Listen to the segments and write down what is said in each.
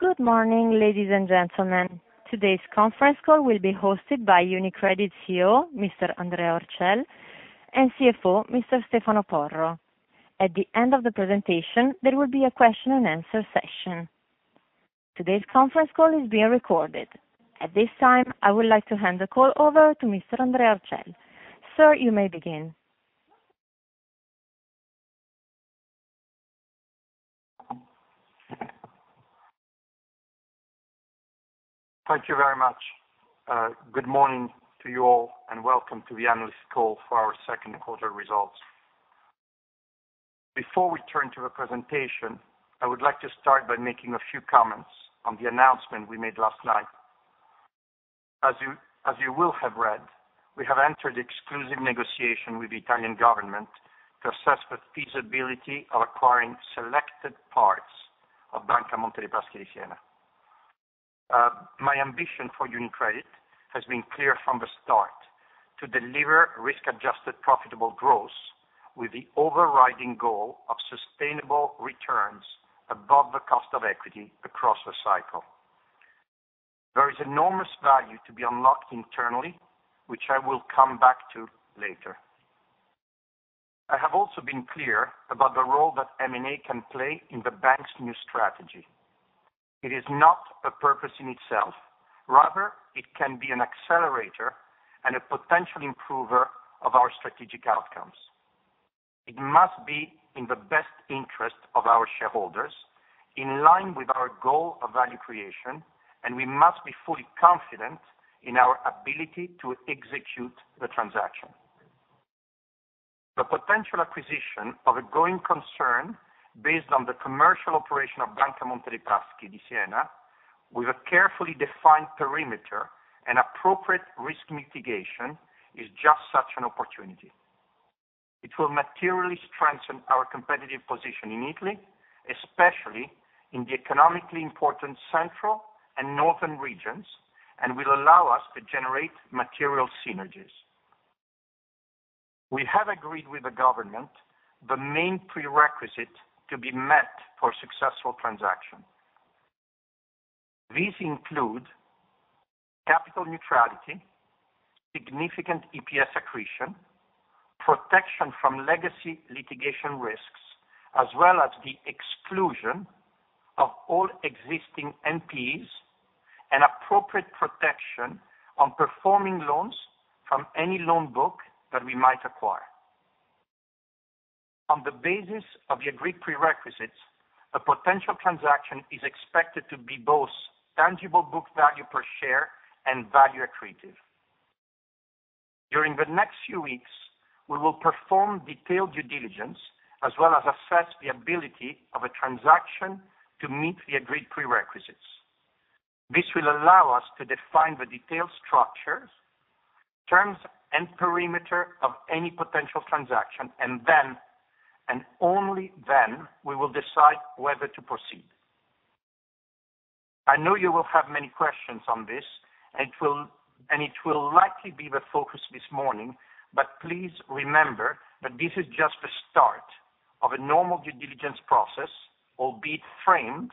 Good morning, ladies and gentlemen. Today's conference call will be hosted by UniCredit CEO, Mr. Andrea Orcel, and CFO, Mr. Stefano Porro. At the end of the presentation, there will be a question and answer session. Today's conference call is being recorded. At this time, I would like to hand the call over to Mr. Andrea Orcel. Sir, you may begin. Thank you very much. Good morning to you all. Welcome to the analyst call for our second quarter results. Before we turn to the presentation, I would like to start by making a few comments on the announcement we made last night. As you will have read, we have entered exclusive negotiation with the Italian government to assess the feasibility of acquiring selected parts of Banca Monte dei Paschi di Siena. My ambition for UniCredit has been clear from the start: to deliver risk-adjusted profitable growth with the overriding goal of sustainable returns above the cost of equity across the cycle. There is enormous value to be unlocked internally, which I will come back to later. I have also been clear about the role that M&A can play in the bank's new strategy. It is not a purpose in itself. Rather, it can be an accelerator and a potential improver of our strategic outcomes. It must be in the best interest of our shareholders, in line with our goal of value creation, and we must be fully confident in our ability to execute the transaction. The potential acquisition of a growing concern based on the commercial operation of Banca Monte dei Paschi di Siena with a carefully defined perimeter and appropriate risk mitigation is just such an opportunity. It will materially strengthen our competitive position in Italy, especially in the economically important central and northern regions, and will allow us to generate material synergies. We have agreed with the government the main prerequisite to be met for a successful transaction. These include capital neutrality, significant EPS accretion, protection from legacy litigation risks, as well as the exclusion of all existing NPEs, and appropriate protection on performing loans from any loan book that we might acquire. On the basis of the agreed prerequisites, a potential transaction is expected to be both tangible book value per share and value accretive. During the next few weeks, we will perform detailed due diligence, as well as assess the ability of a transaction to meet the agreed prerequisites. This will allow us to define the detailed structures, terms, and perimeter of any potential transaction, and then, and only then, we will decide whether to proceed. I know you will have many questions on this, and it will likely be the focus this morning, but please remember that this is just the start of a normal due diligence process, albeit framed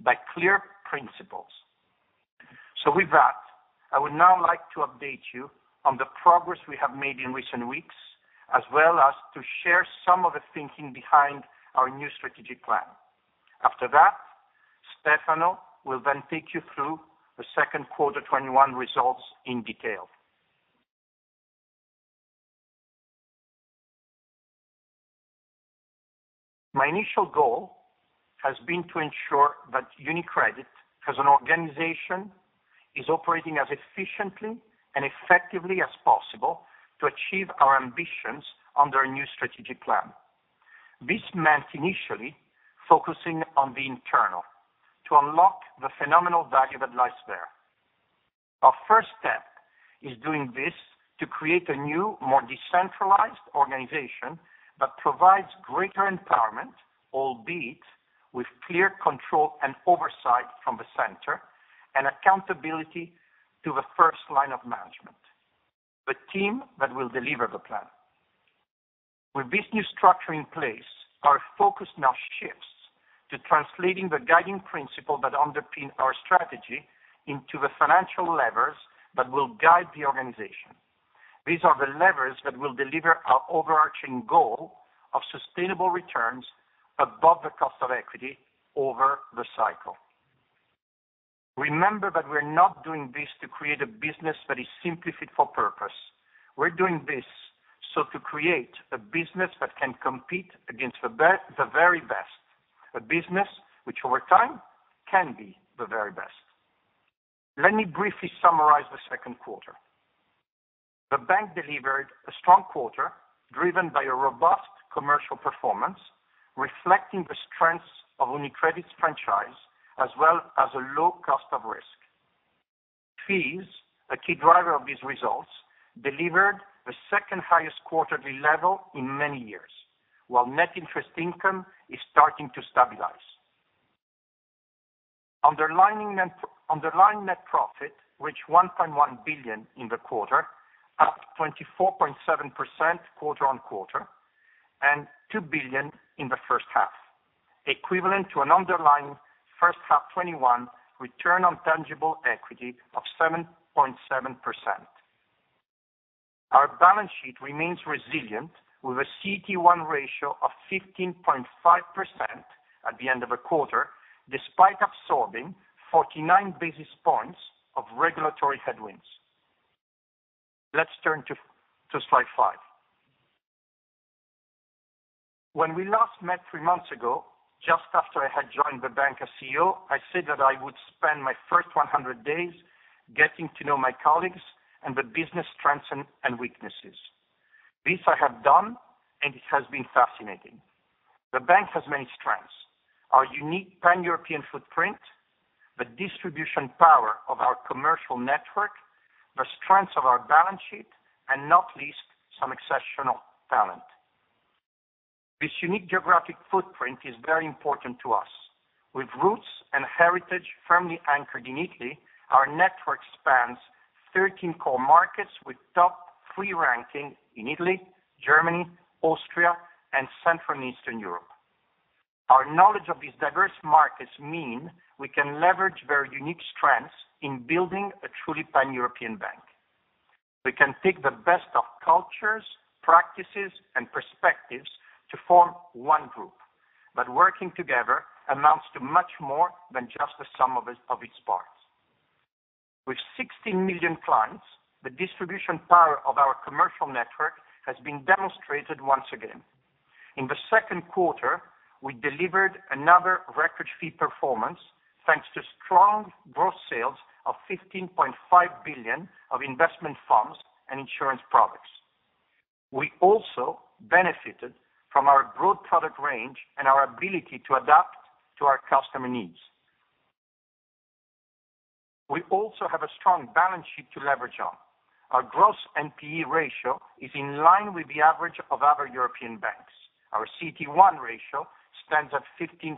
by clear principles. With that, I would now like to update you on the progress we have made in recent weeks, as well as to share some of the thinking behind our new strategic plan. After that, Stefano will then take you through the second quarter 2021 results in detail. My initial goal has been to ensure that UniCredit, as an organization, is operating as efficiently and effectively as possible to achieve our ambitions under a new strategic plan. This meant initially focusing on the internal to unlock the phenomenal value that lies there. Our first step is doing this to create a new, more decentralized organization that provides greater empowerment, albeit with clear control and oversight from the center, and accountability to the first line of management. The team that will deliver the plan. With this new structure in place, our focus now shifts to translating the guiding principle that underpin our strategy into the financial levers that will guide the organization. These are the levers that will deliver our overarching goal of sustainable returns above the cost of equity over the cycle. Remember that we're not doing this to create a business that is simply fit for purpose. We're doing this so to create a business that can compete against the very best, a business which over time can be the very best. Let me briefly summarize the second quarter. The bank delivered a strong quarter driven by a robust commercial performance, reflecting the strengths of UniCredit's franchise, as well as a low cost of risk. Fees, a key driver of these results, delivered the second highest quarterly level in many years, while net interest income is starting to stabilize. Underlying net profit reached 1.1 billion in the quarter, up 24.7% quarter-on-quarter, and 2 billion in the first half, equivalent to an underlying first half 2021 return on tangible equity of 7.7%. Our balance sheet remains resilient with a CET1 ratio of 15.5% at the end of the quarter, despite absorbing 49 basis points of regulatory headwinds. Let's turn to slide 5. When we last met three months ago, just after I had joined the bank as CEO, I said that I would spend my first 100 days getting to know my colleagues and the business strengths and weaknesses. This I have done. It has been fascinating. The bank has many strengths. Our unique pan-European footprint, the distribution power of our commercial network, the strength of our balance sheet, and not least, some exceptional talent. This unique geographic footprint is very important to us. With roots and heritage firmly anchored in Italy, our network spans 13 core markets with top three ranking in Italy, Germany, Austria, and Central and Eastern Europe. Our knowledge of these diverse markets mean we can leverage their unique strengths in building a truly pan-European bank. We can take the best of cultures, practices, and perspectives to form 1 group. Working together amounts to much more than just the sum of its parts. With 16 million clients, the distribution power of our commercial network has been demonstrated once again. In the second quarter, we delivered another record fee performance, thanks to strong gross sales of 15.5 billion of investment funds and insurance products. We also benefited from our broad product range and our ability to adapt to our customer needs. We also have a strong balance sheet to leverage on. Our gross NPE ratio is in line with the average of other European banks. Our CET1 ratio stands at 15.5%.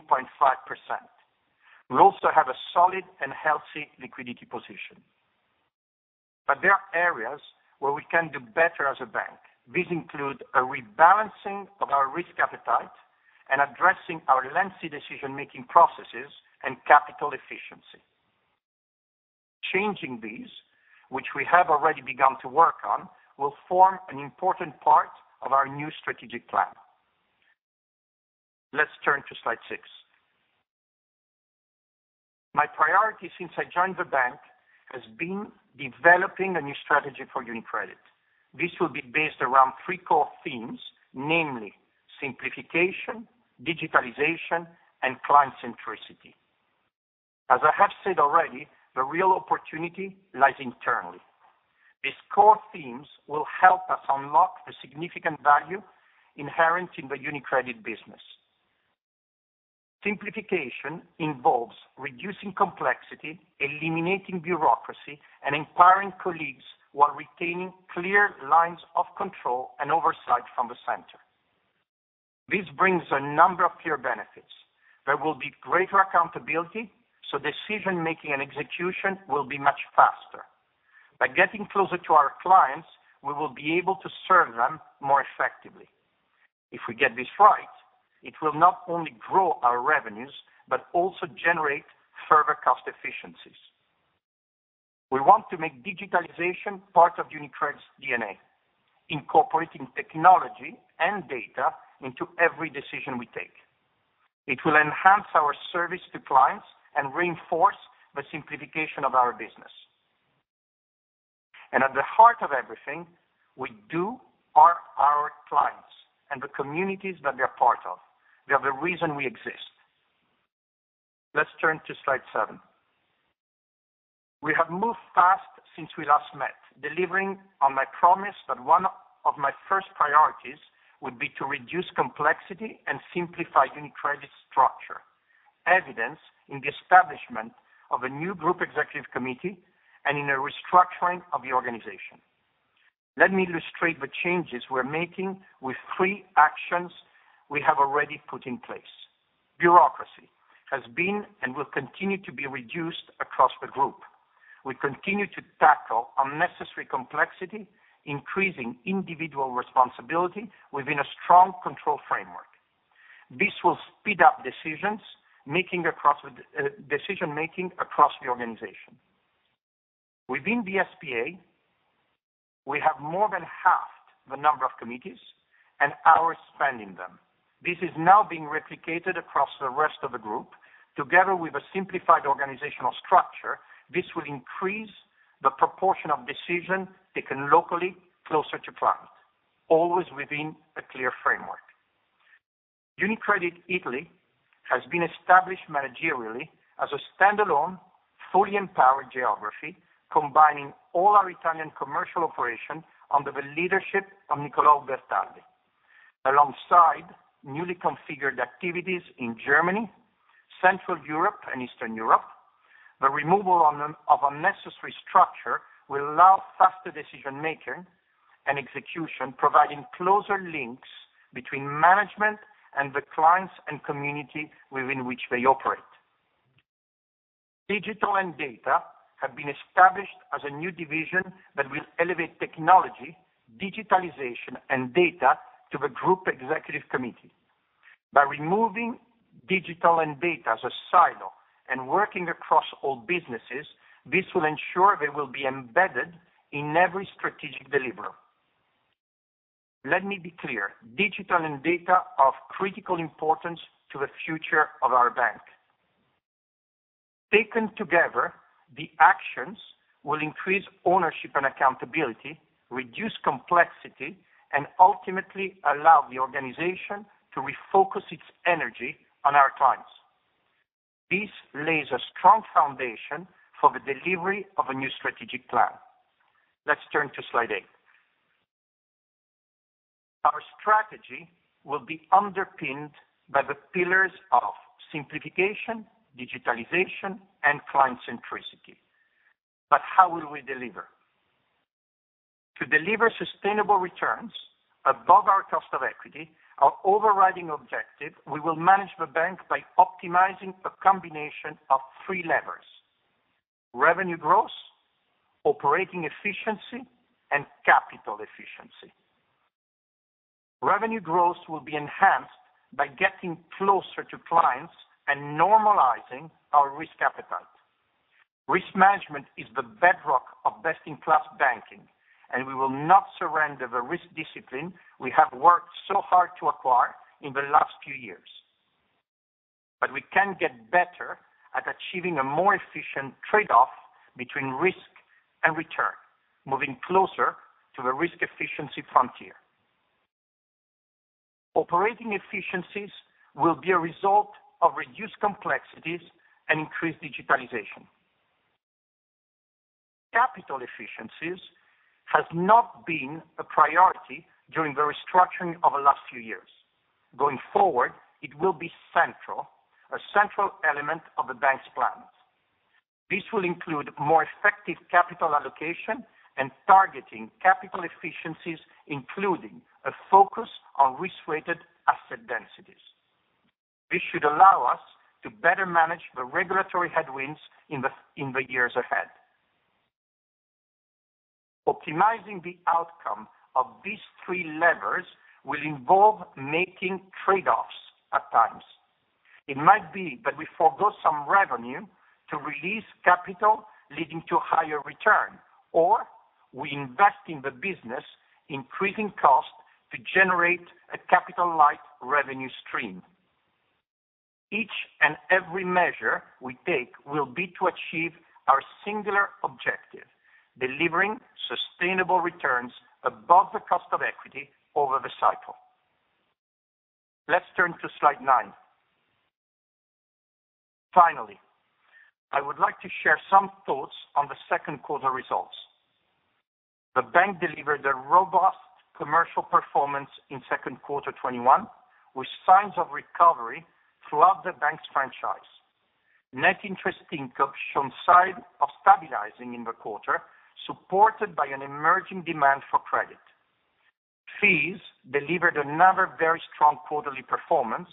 We also have a solid and healthy liquidity position. There are areas where we can do better as a bank. These include a rebalancing of our risk appetite and addressing our lengthy decision-making processes and capital efficiency. Changing these, which we have already begun to work on, will form an important part of our new strategic plan. Let's turn to slide 6. My priority since I joined the bank has been developing a new strategy for UniCredit. This will be based around three core themes, namely simplification, digitalization, and client centricity. As I have said already, the real opportunity lies internally. These core themes will help us unlock the significant value inherent in the UniCredit business. Simplification involves reducing complexity, eliminating bureaucracy, and empowering colleagues while retaining clear lines of control and oversight from the center. This brings a number of clear benefits. There will be greater accountability, so decision-making and execution will be much faster. By getting closer to our clients, we will be able to serve them more effectively. If we get this right, it will not only grow our revenues, but also generate further cost efficiencies. We want to make digitalization part of UniCredit's DNA, incorporating technology and data into every decision we take. It will enhance our service to clients and reinforce the simplification of our business. At the heart of everything we do are our clients and the communities that they are part of. They are the reason we exist. Let's turn to slide seven. We have moved fast since we last met, delivering on my promise that one of my first priorities would be to reduce complexity and simplify UniCredit's structure, evidenced in the establishment of a new group executive committee and in a restructuring of the organization. Let me illustrate the changes we're making with three actions we have already put in place. Bureaucracy has been and will continue to be reduced across the group. We continue to tackle unnecessary complexity, increasing individual responsibility within a strong control framework. This will speed up decision-making across the organization. Within the S.p.A., we have more than halved the number of committees and hours spent in them. This is now being replicated across the rest of the group. Together with a simplified organizational structure, this will increase the proportion of decisions taken locally closer to clients, always within a clear framework. UniCredit Italy has been established managerially as a standalone, fully empowered geography, combining all our Italian commercial operations under the leadership of Niccolò Berti, alongside newly configured activities in Germany, Central Europe and Eastern Europe. The removal of unnecessary structure will allow faster decision-making and execution, providing closer links between management and the clients and community within which they operate. Digital and Data have been established as a new division that will elevate technology, digitalization, and data to the Group Executive Committee. By removing Digital and Data as a silo and working across all businesses, this will ensure they will be embedded in every strategic deliverable. Let me be clear, Digital and Data are of critical importance to the future of our bank. Taken together, the actions will increase ownership and accountability, reduce complexity, and ultimately allow the organization to refocus its energy on our clients. This lays a strong foundation for the delivery of a new strategic plan. Let's turn to slide 8. Our strategy will be underpinned by the pillars of simplification, digitalization, and client centricity. How will we deliver? To deliver sustainable returns above our cost of equity, our overriding objective, we will manage the bank by optimizing a combination of three levers, revenue growth, operating efficiency, and capital efficiency. Revenue growth will be enhanced by getting closer to clients and normalizing our risk appetite. Risk management is the bedrock of best-in-class banking, and we will not surrender the risk discipline we have worked so hard to acquire in the last few years. We can get better at achieving a more efficient trade-off between risk and return, moving closer to the risk efficiency frontier. Operating efficiencies will be a result of reduced complexities and increased digitalization. Capital efficiencies has not been a priority during the restructuring of the last few years. Going forward, it will be a central element of the bank's plans. This will include more effective capital allocation and targeting capital efficiencies, including a focus on risk-weighted asset densities. This should allow us to better manage the regulatory headwinds in the years ahead. Optimizing the outcome of these three levers will involve making trade-offs at times. It might be that we forgo some revenue to release capital, leading to higher return, or we invest in the business, increasing cost to generate a capital-light revenue stream. Each and every measure we take will be to achieve our singular objective, delivering sustainable returns above the cost of equity over the cycle. Let's turn to slide 9. Finally, I would like to share some thoughts on the second quarter results. The bank delivered a robust commercial performance in second quarter 2021, with signs of recovery throughout the bank's franchise. Net interest income showed signs of stabilizing in the quarter, supported by an emerging demand for credit. Fees delivered another very strong quarterly performance,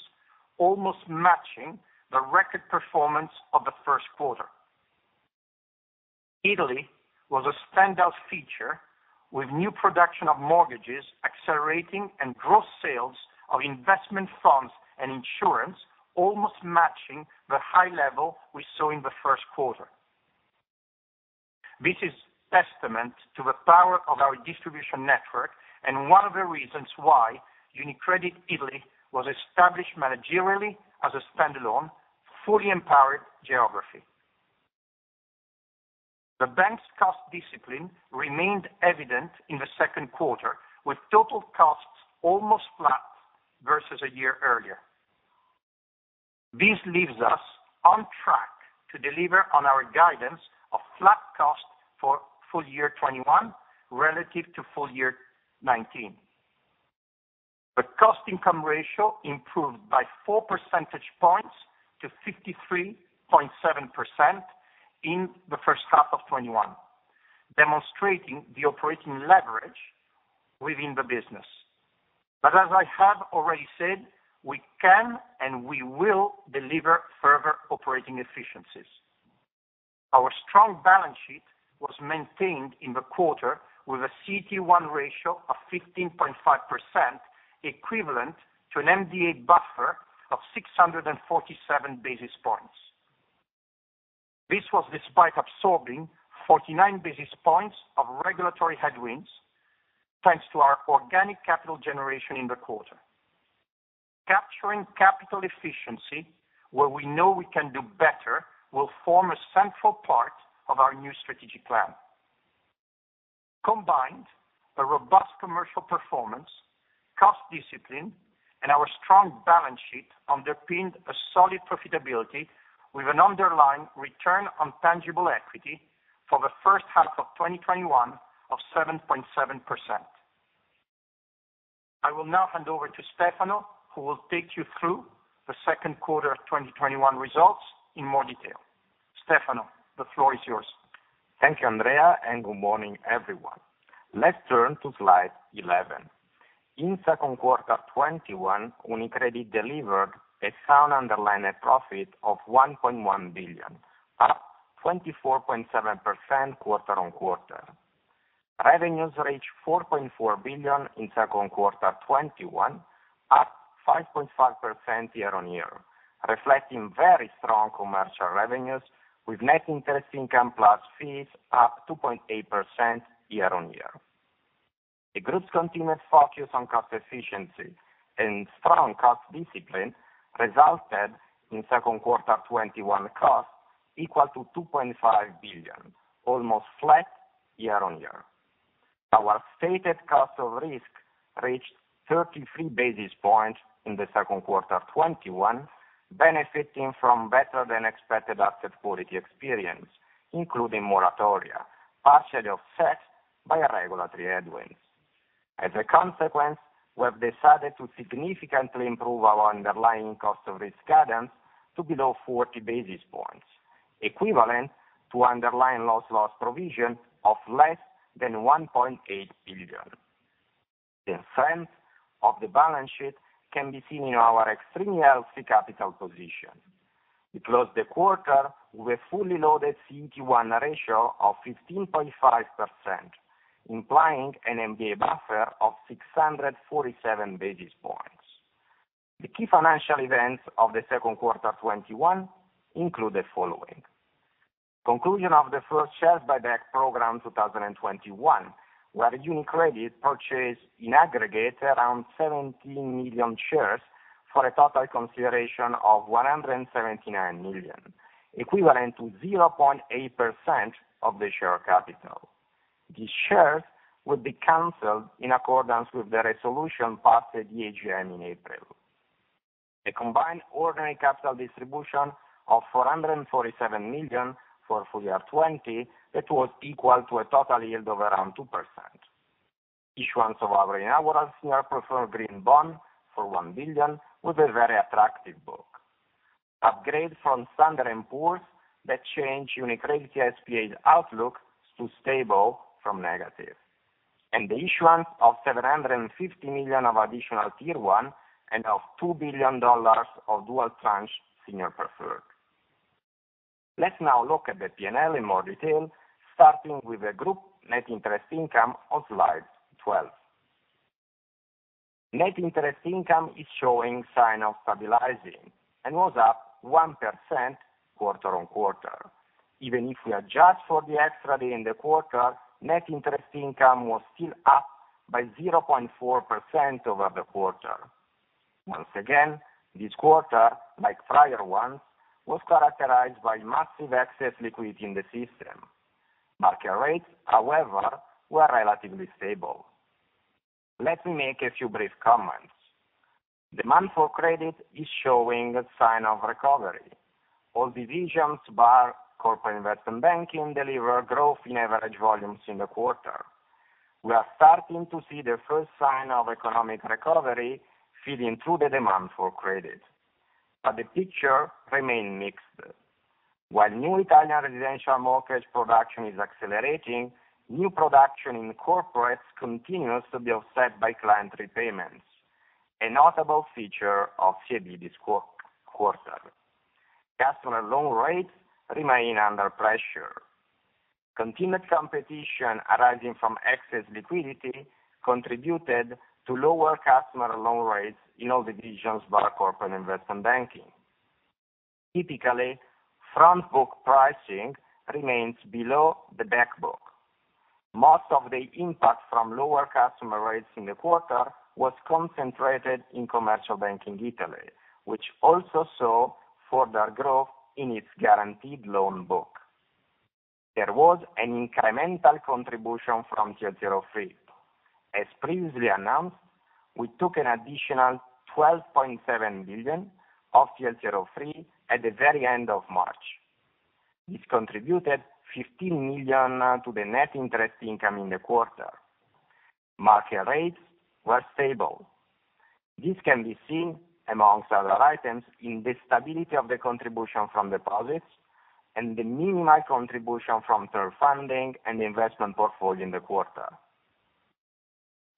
almost matching the record performance of the first quarter. Italy was a standout feature, with new production of mortgages accelerating and gross sales of investment funds and insurance almost matching the high level we saw in the first quarter. This is testament to the power of our distribution network and one of the reasons why UniCredit Italy was established managerially as a standalone, fully empowered geography. The bank's cost discipline remained evident in the second quarter, with total costs almost flat versus a year earlier. This leaves us on track to deliver on our guidance of flat cost for full year 2021 relative to full year 2019. The cost income ratio improved by 4 percentage points to 53.7% in the first half of 2021, demonstrating the operating leverage within the business. As I have already said, we can and we will deliver further operating efficiencies. Our strong balance sheet was maintained in the quarter with a CET1 ratio of 15.5%, equivalent to an MDA buffer of 647 basis points. This was despite absorbing 49 basis points of regulatory headwinds, thanks to our organic capital generation in the quarter. Capturing capital efficiency where we know we can do better will form a central part of our new strategic plan. Combined, a robust commercial performance, cost discipline, and our strong balance sheet underpinned a solid profitability with an underlying return on tangible equity for the first half of 2021 of 7.7%. I will now hand over to Stefano, who will take you through the second quarter 2021 results in more detail. Stefano, the floor is yours. Thank you, Andrea. Good morning, everyone. Let's turn to slide 11. In second quarter 2021, UniCredit delivered a sound underlying profit of 1.1 billion, up 24.7% quarter-on-quarter. Revenues reached 4.4 billion in second quarter 2021, up 5.5% year-on-year, reflecting very strong commercial revenues with net interest income plus fees up 2.8% year-on-year. The group's continued focus on cost efficiency and strong cost discipline resulted in second quarter 2021 cost equal to 2.5 billion, almost flat year-on-year. Our stated cost of risk reached 33 basis points in the second quarter 2021, benefiting from better than expected asset quality experience, including moratoria, partially offset by regulatory headwinds. As a consequence, we have decided to significantly improve our underlying cost of risk guidance to below 40 basis points, equivalent to underlying loss provision of less than 1.8 billion. The strength of the balance sheet can be seen in our extremely healthy capital position. We closed the quarter with a fully loaded CET1 ratio of 15.5%, implying an MDA buffer of 647 basis points. The key financial events of the second quarter 2021 include the following. Conclusion of the first share buyback program 2021, where UniCredit purchased, in aggregate, around 17 million shares for a total consideration of 179 million, equivalent to 0.8% of the share capital. These shares will be canceled in accordance with the resolution passed at the AGM in April. A combined ordinary capital distribution of 447 million for full year 2020 that was equal to a total yield of around 2%. Issuance of our inaugural senior preferred Green Bond for 1 billion with a very attractive book. Upgrade from Standard & Poor's that changed UniCredit S.p.A.'s outlook to stable from negative. The issuance of 750 million of additional Tier 1 and of $2 billion of dual tranche senior preferred. Let's now look at the P&L in more detail, starting with the group net interest income on slide 12. Net interest income is showing sign of stabilizing and was up 1% quarter-on-quarter. Even if we adjust for the extra day in the quarter, net interest income was still up by 0.4% over the quarter. Once again, this quarter, like prior ones, was characterized by massive excess liquidity in the system. Market rates, however, were relatively stable. Let me make a few brief comments. Demand for credit is showing a sign of recovery. All divisions bar Corporate & Investment Banking delivered growth in average volumes in the quarter. We are starting to see the first sign of economic recovery feeding through the demand for credit. The picture remain mixed. While new Italian residential mortgage production is accelerating, new production in corporates continues to be offset by client repayments, a notable feature of CIB this quarter. Customer loan rates remain under pressure. Continued competition arising from excess liquidity contributed to lower customer loan rates in all divisions bar Corporate & Investment Banking. Typically, front book pricing remains below the back book. Most of the impact from lower customer rates in the quarter was concentrated in Commercial Banking Italy, which also saw further growth in its guaranteed loan book. There was an incremental contribution from TLTRO III. As previously announced, we took an additional 12.7 billion of TLTRO III at the very end of March. This contributed 15 million to the net interest income in the quarter. Market rates were stable. This can be seen, amongst other items, in the stability of the contribution from deposits and the minimal contribution from term funding and investment portfolio in the quarter.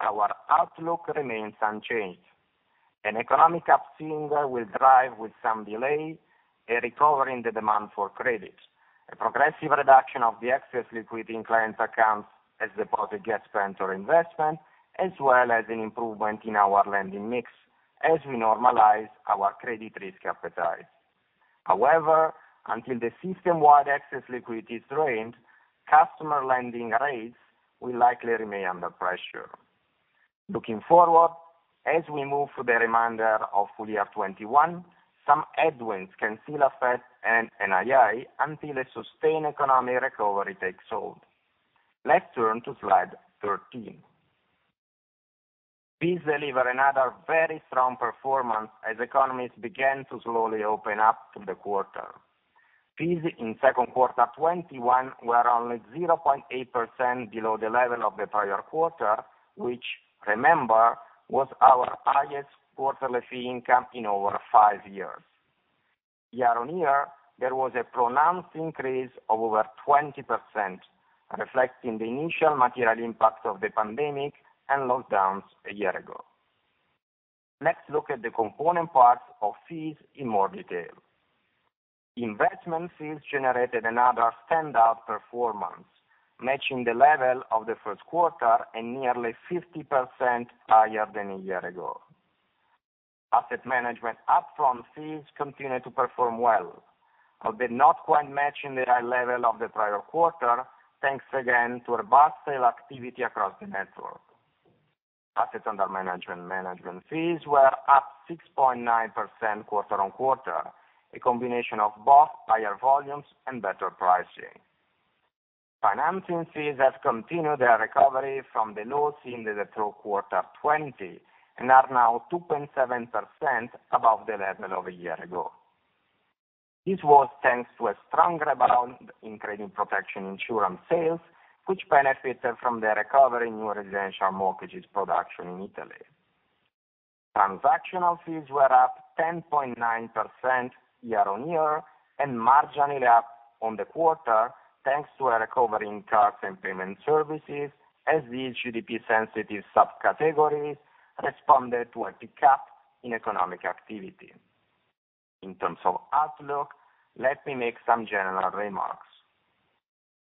Our outlook remains unchanged. An economic upswing will drive, with some delay, a recovery in the demand for credit, a progressive reduction of the excess liquidity in client accounts as deposit gets spent or investment, as well as an improvement in our lending mix as we normalize our credit risk appetite. However, until the system-wide excess liquidity is drained, customer lending rates will likely remain under pressure. Looking forward, as we move through the remainder of full year 2021, some headwinds can still affect NII until a sustained economic recovery takes hold. Let's turn to slide 13. Fees deliver another very strong performance as economies began to slowly open up through the quarter. Fees in second quarter 2021 were only 0.8% below the level of the prior quarter, which remember, was our highest quarterly fee income in over five years. Year-on-year, there was a pronounced increase of over 20%, reflecting the initial material impact of the pandemic and lockdowns a year ago. Let's look at the component parts of fees in more detail. Investment fees generated another standout performance, matching the level of the first quarter and nearly 50% higher than a year ago. Asset management upfront fees continued to perform well, although not quite matching the high level of the prior quarter, thanks again to robust sale activity across the network. Assets under management fees were up 6.9% quarter-on-quarter, a combination of both higher volumes and better pricing. Financing fees have continued their recovery from the lows seen in the through quarter 2020, and are now 2.7% above the level of a year ago. This was thanks to a strong rebound in credit protection insurance sales, which benefited from the recovery in residential mortgages production in Italy. Transactional fees were up 10.9% year-on-year, and marginally up on the quarter, thanks to a recovery in cards and payment services, as these GDP-sensitive subcategories responded to a pickup in economic activity. In terms of outlook, let me make some general remarks.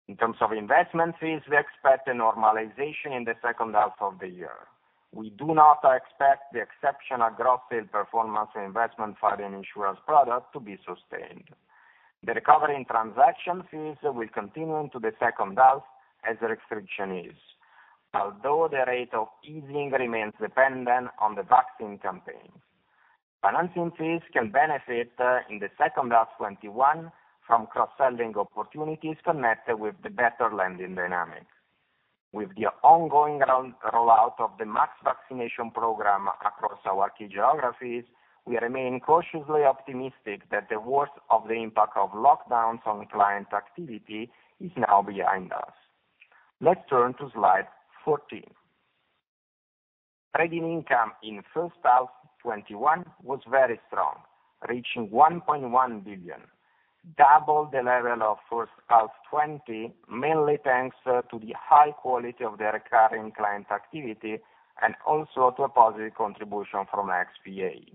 In terms of investment fees, we expect a normalization in the second half of the year. We do not expect the exceptional growth sale performance investment fund and insurance product to be sustained. The recovery in transaction fees will continue into the second half as the restriction eases, although the rate of easing remains dependent on the vaccine campaigns. Financing fees can benefit in the second half 2021 from cross-selling opportunities connected with the better lending dynamics. With the ongoing rollout of the mass vaccination program across our key geographies, we remain cautiously optimistic that the worst of the impact of lockdowns on client activity is now behind us. Let's turn to slide 14. Trading income in first half 2021 was very strong, reaching 1.1 billion, double the level of first half 2020, mainly thanks to the high quality of the recurring client activity and also to a positive contribution from XVA.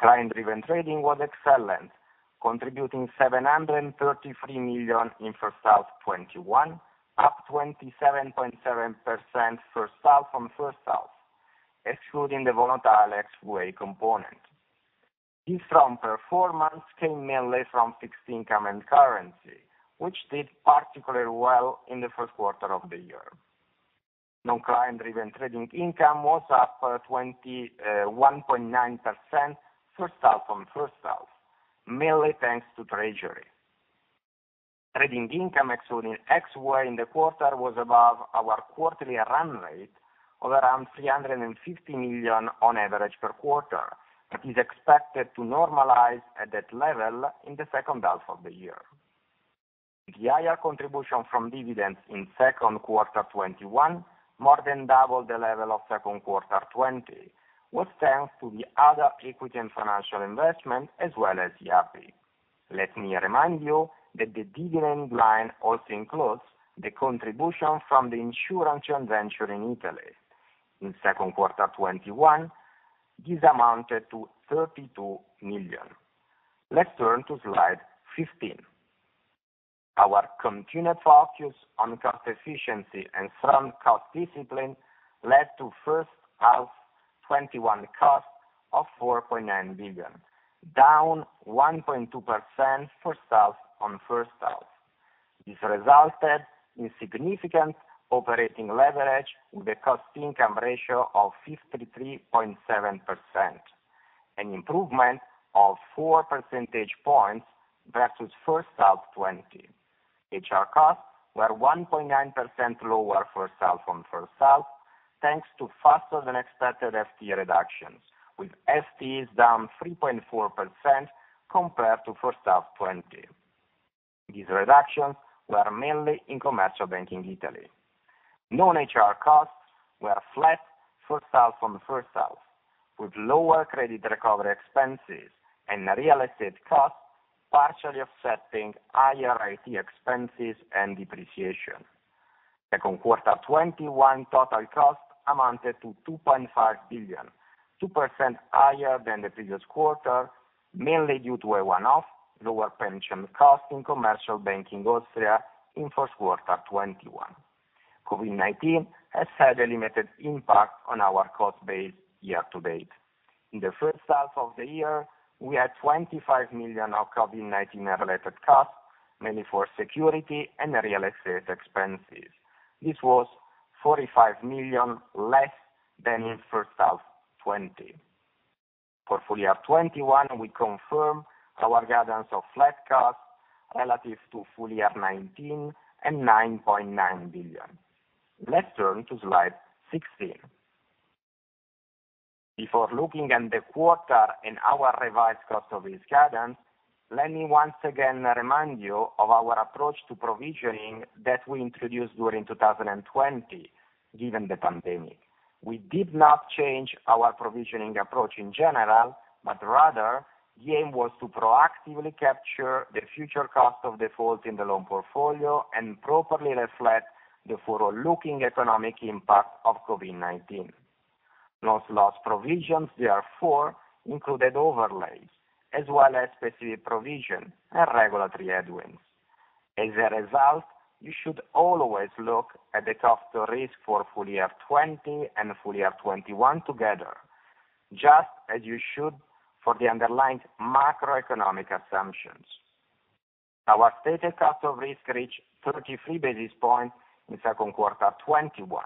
Client-driven trading was excellent, contributing 733 million in first half 2021, up 27.7% first half on first half, excluding the volatile XVA component. This strong performance came mainly from fixed income and currency, which did particularly well in the first quarter of the year. Non-client-driven trading income was up 21.9% first half on first half, mainly thanks to Treasury. Trading income, excluding XVA in the quarter, was above our quarterly run rate of around 350 million on average per quarter, and is expected to normalize at that level in the second half of the year. The higher contribution from dividends in second quarter 2021, more than double the level of second quarter 2020, was thanks to the other equity and financial investment as well as Yapı Kredi. Let me remind you that the dividend line also includes the contribution from the insurance joint venture in Italy. In second quarter 2021, this amounted to 32 million. Let's turn to slide 15. Our continued focus on cost efficiency and strong cost discipline led to first half 2021 costs of 4.9 billion, down 1.2% first half on first half. This resulted in significant operating leverage with a cost income ratio of 53.7%, an improvement of four percentage points versus first half 2020. HR costs were 1.9% lower first half on first half, thanks to faster than expected FTE reductions, with FTEs down 3.4% compared to first half 2020. These reductions were mainly in Commercial Banking Italy. Non-HR costs were flat first half on first half, with lower credit recovery expenses and real estate costs partially offsetting higher IT expenses and depreciation. Second quarter 2021 total costs amounted to 2.5 billion, 2% higher than the previous quarter, mainly due to a one-off lower pension cost in Commercial Banking Austria in first quarter 2021. COVID-19 has had a limited impact on our cost base year to date. In the first half of the year, we had 25 million of COVID-19 related costs, mainly for security and real estate expenses. This was 45 million less than in first half 2020. For full year 2021, we confirm our guidance of flat costs relative to full year 2019 and 9.9 billion. Let's turn to slide 16. Before looking at the quarter and our revised cost of risk guidance, let me once again remind you of our approach to provisioning that we introduced during 2020, given the pandemic. We did not change our provisioning approach in general, but rather, the aim was to proactively capture the future cost of defaults in the loan portfolio and properly reflect the forward-looking economic impact of COVID-19. Non-NPE provisions, therefore, included overlays as well as specific provision and regulatory headwinds. As a result, you should always look at the cost of risk for full year 2020 and full year 2021 together, just as you should for the underlying macroeconomic assumptions. Our stated cost of risk reached 33 basis points in second quarter 2021,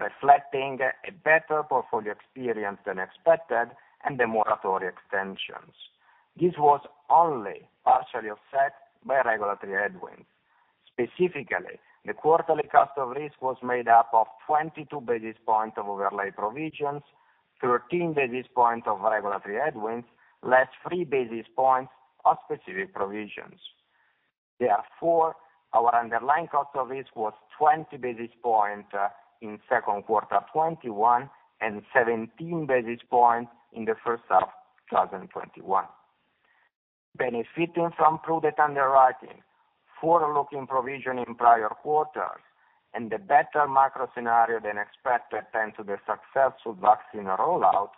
reflecting a better portfolio experience than expected and the moratoria extensions. This was only partially offset by regulatory headwinds. Specifically, the quarterly cost of risk was made up of 22 basis points of overlay provisions, 13 basis points of regulatory headwinds, less three basis points of specific provisions. Our underlying cost of risk was 20 basis points in second quarter 2021, and 17 basis points in the first half of 2021. Benefiting from prudent underwriting, forward-looking provision in prior quarters, and the better macro scenario than expected, thanks to the successful vaccine rollout,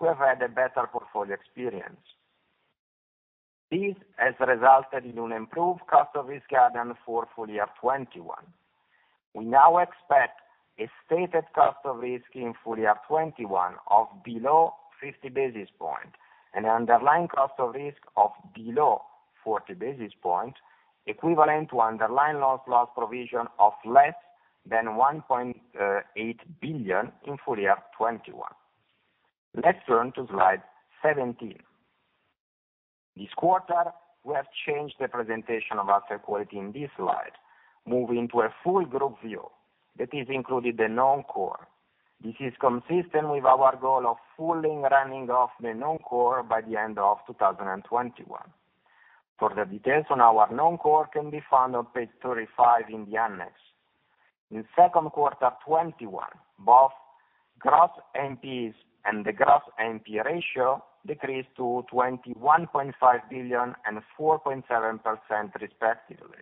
we have had a better portfolio experience. This has resulted in an improved cost of risk guidance for full year 2021. We now expect a stated cost of risk in full year 2021 of below 50 basis points, and an underlying cost of risk of below 40 basis points, equivalent to underlying loss provision of less than 1.8 billion in full year 2021. Let's turn to slide 17. This quarter, we have changed the presentation of asset quality in this slide, moving to a full group view that has included the non-core. This is consistent with our goal of fully running off the non-core by the end of 2021. Further details on our non-core can be found on page 35 in the annex. In second quarter 2021, both gross NPEs and the gross NPE ratio decreased to 21.5 billion and 4.7%, respectively,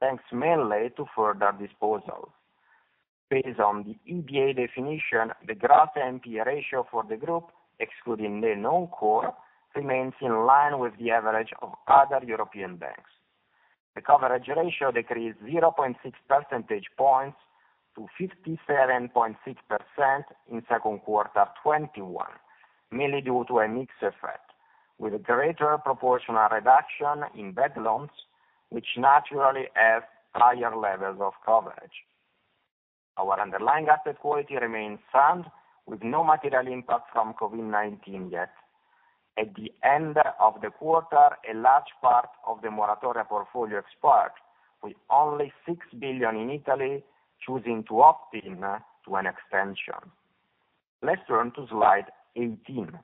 thanks mainly to further disposals. Based on the EBA definition, the gross NPE ratio for the group, excluding the non-core, remains in line with the average of other European banks. The coverage ratio decreased 0.6 percentage points to 57.6% in second quarter 2021, mainly due to a mix effect with greater proportional reduction in bad loans, which naturally have higher levels of coverage. Our underlying asset quality remains sound with no material impact from COVID-19 yet. At the end of the quarter, a large part of the moratoria portfolio expired, with only 6 billion in Italy choosing to opt in to an extension. Let's turn to slide 18.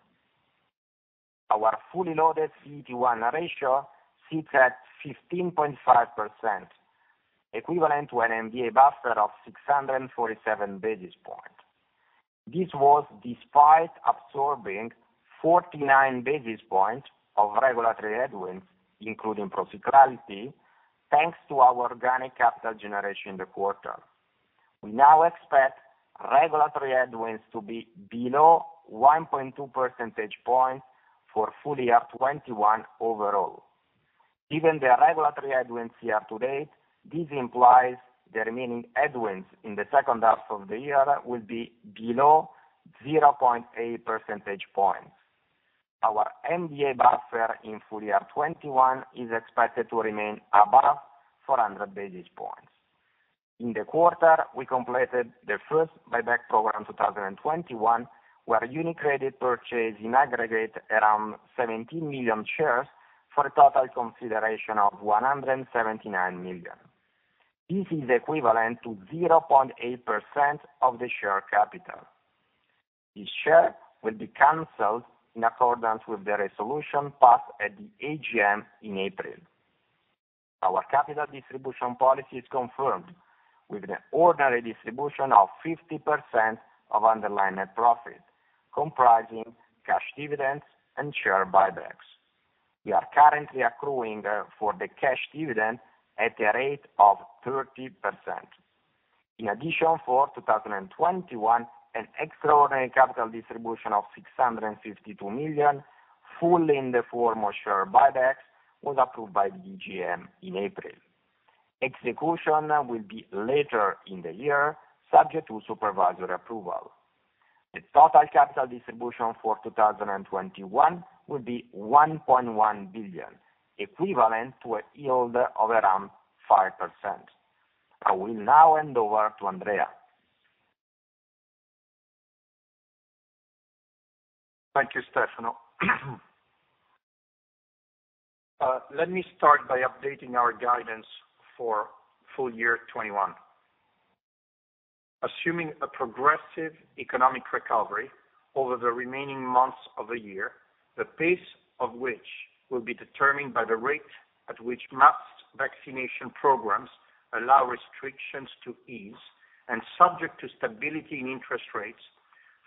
Our fully loaded CET1 ratio sits at 15.5%, equivalent to an MDA buffer of 647 basis points. This was despite absorbing 49 basis points of regulatory headwinds, including procyclicality, thanks to our organic capital generation in the quarter. We now expect regulatory headwinds to be below 1.2 percentage points for full year 2021 overall. Given the regulatory headwinds year to date, this implies the remaining headwinds in the second half of the year will be below 0.8 percentage points. Our MDA buffer in full year 2021 is expected to remain above 400 basis points. In the quarter, we completed the first buyback program 2021, where UniCredit purchased in aggregate around 17 million shares for a total consideration of 179 million. This is equivalent to 0.8% of the share capital. These shares will be canceled in accordance with the resolution passed at the AGM in April. Our capital distribution policy is confirmed with an ordinary distribution of 50% of underlying net profit, comprising cash dividends and share buybacks. We are currently accruing for the cash dividend at a rate of 30%. In addition, for 2021, an extraordinary capital distribution of 652 million, fully in the form of share buybacks, was approved by the AGM in April. Execution will be later in the year, subject to supervisory approval. The total capital distribution for 2021 will be 1.1 billion, equivalent to a yield of around 5%. I will now hand over to Andrea. Thank you, Stefano. Let me start by updating our guidance for full year 2021. Assuming a progressive economic recovery over the remaining months of the year, the pace of which will be determined by the rate at which mass vaccination programs allow restrictions to ease, and subject to stability in interest rates,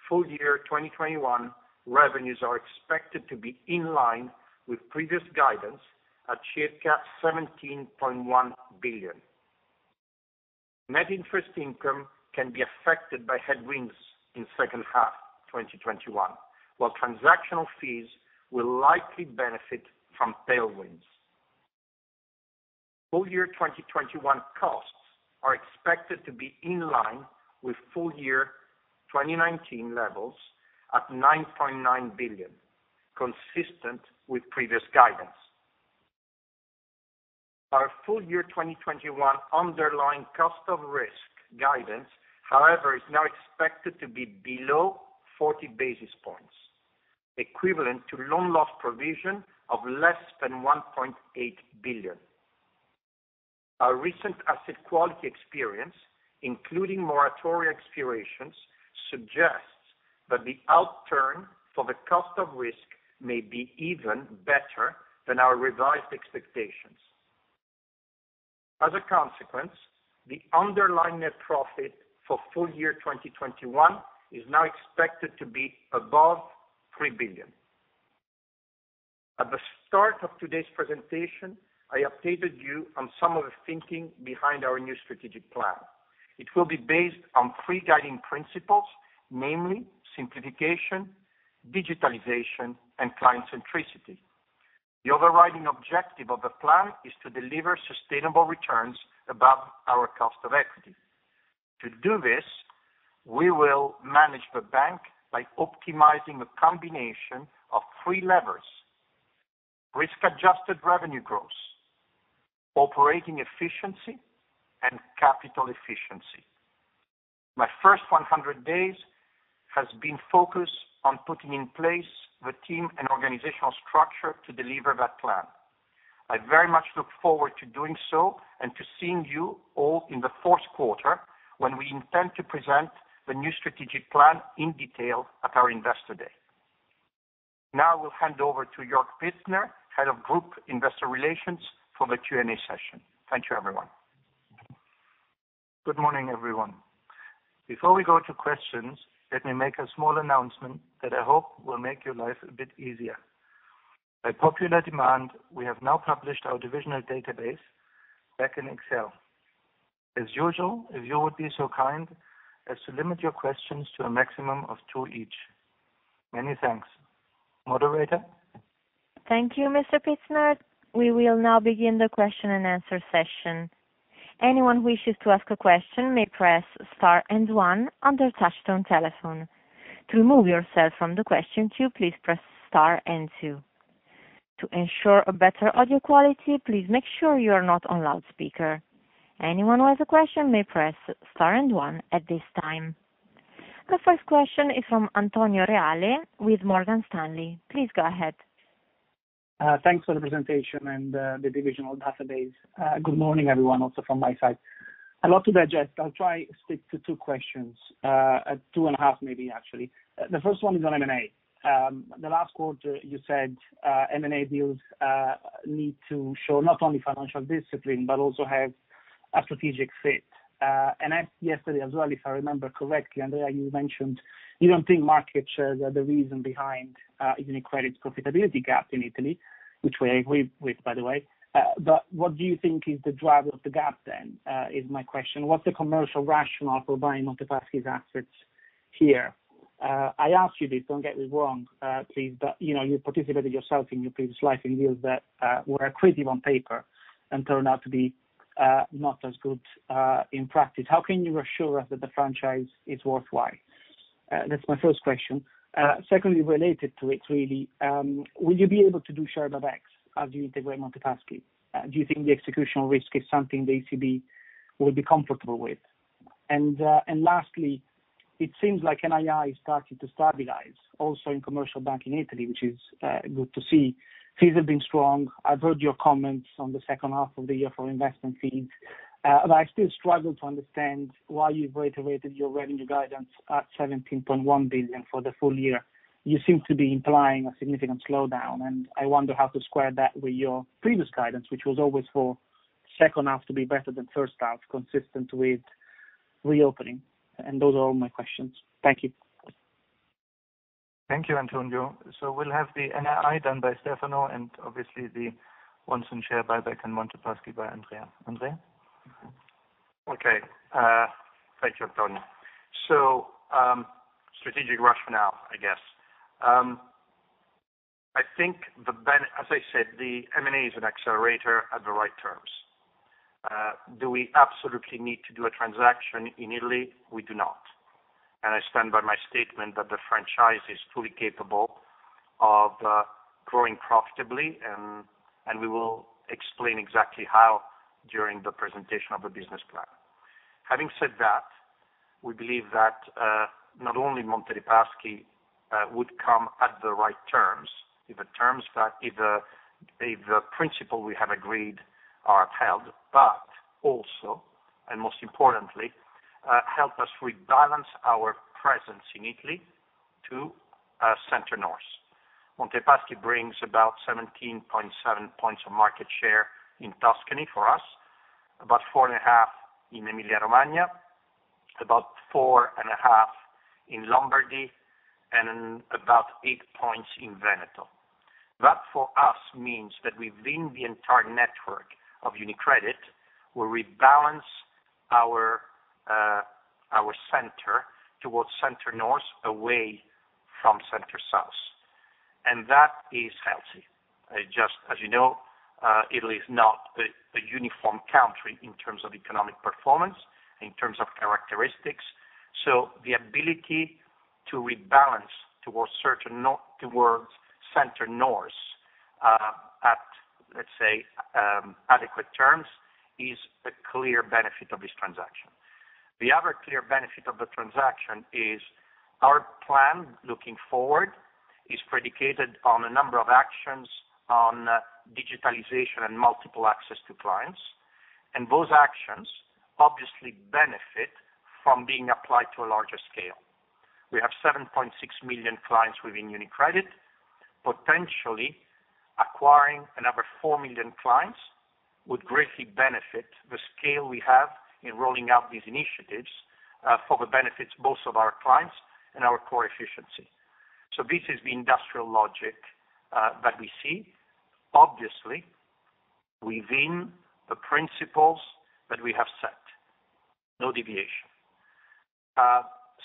full-year 2021 revenues are expected to be in line with previous guidance at circa 17.1 billion. Net interest income can be affected by headwinds in the second half of 2021, while transactional fees will likely benefit from tailwinds. Full-year 2021 costs are expected to be in line with full-year 2019 levels at 9.9 billion, consistent with previous guidance. Our full-year 2021 underlying cost of risk guidance, however, is now expected to be below 40 basis points, equivalent to loan loss provision of less than 1.8 billion. Our recent asset quality experience, including moratoria expirations, suggests that the outturn for the cost of risk may be even better than our revised expectations. Consequently, the underlying net profit for full year 2021 is now expected to be above 3 billion. At the start of today's presentation, I updated you on some of the thinking behind our new strategic plan. It will be based on three guiding principles, namely simplification, digitalization, and client centricity. The overriding objective of the plan is to deliver sustainable returns above our cost of equity. To do this, we will manage the bank by optimizing a combination of 3 levers, risk-adjusted revenue growth, operating efficiency, and capital efficiency. My first 100 days has been focused on putting in place the team and organizational structure to deliver that plan. I very much look forward to doing so and to seeing you all in the fourth quarter, when we intend to present the new strategic plan in detail at our Investor Day. I will hand over to Jörg Pietzner, Head of Group Investor Relations, for the Q&A session. Thank you, everyone. Good morning, everyone. Before we go to questions, let me make a small announcement that I hope will make your life a bit easier. By popular demand, we have now published our divisional database back in Excel. As usual, if you would be so kind as to limit your questions to a maximum of two each. Many thanks. Moderator. Thank you, Mr. Pietzner. We will now begin the question and answer session. Anyone who wishes to ask a question may press star and one on their touch-tone telephone. To remove yourself from the question queue, please press star and two. To ensure better audio quality, please make sure you are not on loudspeaker. Anyone who has a question may press star and one at this time. The first question is from Antonio Reale with Morgan Stanley. Please go ahead. Thanks for the presentation and the divisional database. Good morning, everyone, also from my side. A lot to digest. I'll try to stick to two questions, two and a half maybe, actually. The first one is on M&A. The last quarter you said M&A deals need to show not only financial discipline, but also have a strategic fit. Yesterday as well, if I remember correctly, Andrea, you mentioned you don't think market share the reason behind UniCredit's profitability gap in Italy, which we agree with, by the way. What do you think is the driver of the gap then, is my question. What's the commercial rationale for buying Monte Paschi's assets here? I ask you this, don't get me wrong, please, but you participated yourself in your previous life in deals that were accretive on paper and turned out to be not as good in practice. How can you assure us that the franchise is worthwhile? That's my first question. Related to it really, will you be able to do share buybacks as you integrate Monte Paschi? Do you think the executional risk is something the ECB will be comfortable with? It seems like NII is starting to stabilize also in Commercial Banking Italy, which is good to see. Fees have been strong. I've heard your comments on the second half of the year for investment fees. I still struggle to understand why you've reiterated your revenue guidance at 17.1 billion for the full year. You seem to be implying a significant slowdown, I wonder how to square that with your previous guidance, which was always for second half to be better than first half, consistent with reopening. Those are all my questions. Thank you. Thank you, Antonio. We'll have the NII done by Stefano and obviously the ones on share buyback and Monte Paschi by Andrea. Andrea? Okay. Thank you, Antonio. Strategic rationale, I guess. I think, as I said, the M&A is an accelerator at the right terms. Do we absolutely need to do a transaction in Italy? We do not. I stand by my statement that the franchise is fully capable of growing profitably, and we will explain exactly how during the presentation of the business plan. Having said that, we believe that not only Monte dei Paschi would come at the right terms, if the principle we have agreed are held, but also, and most importantly, help us rebalance our presence in Italy to center north. Monte dei Paschi brings about 17.7 points of market share in Tuscany for us, about 4.5 in Emilia-Romagna, about 4.5 in Lombardy, and about 8 points in Veneto. That, for us, means that within the entire network of UniCredit, we rebalance our center towards center north, away from center south. That is healthy. Just as you know, Italy is not a uniform country in terms of economic performance, in terms of characteristics. The ability to rebalance towards center north at, let's say, adequate terms, is a clear benefit of this transaction. The other clear benefit of the transaction is our plan looking forward is predicated on a number of actions on digitalization and multiple access to clients. Those actions obviously benefit from being applied to a larger scale. We have 7.6 million clients within UniCredit. Potentially acquiring another 4 million clients would greatly benefit the scale we have in rolling out these initiatives for the benefits both of our clients and our core efficiency. This is the industrial logic that we see. Obviously, within the principles that we have set. No deviation.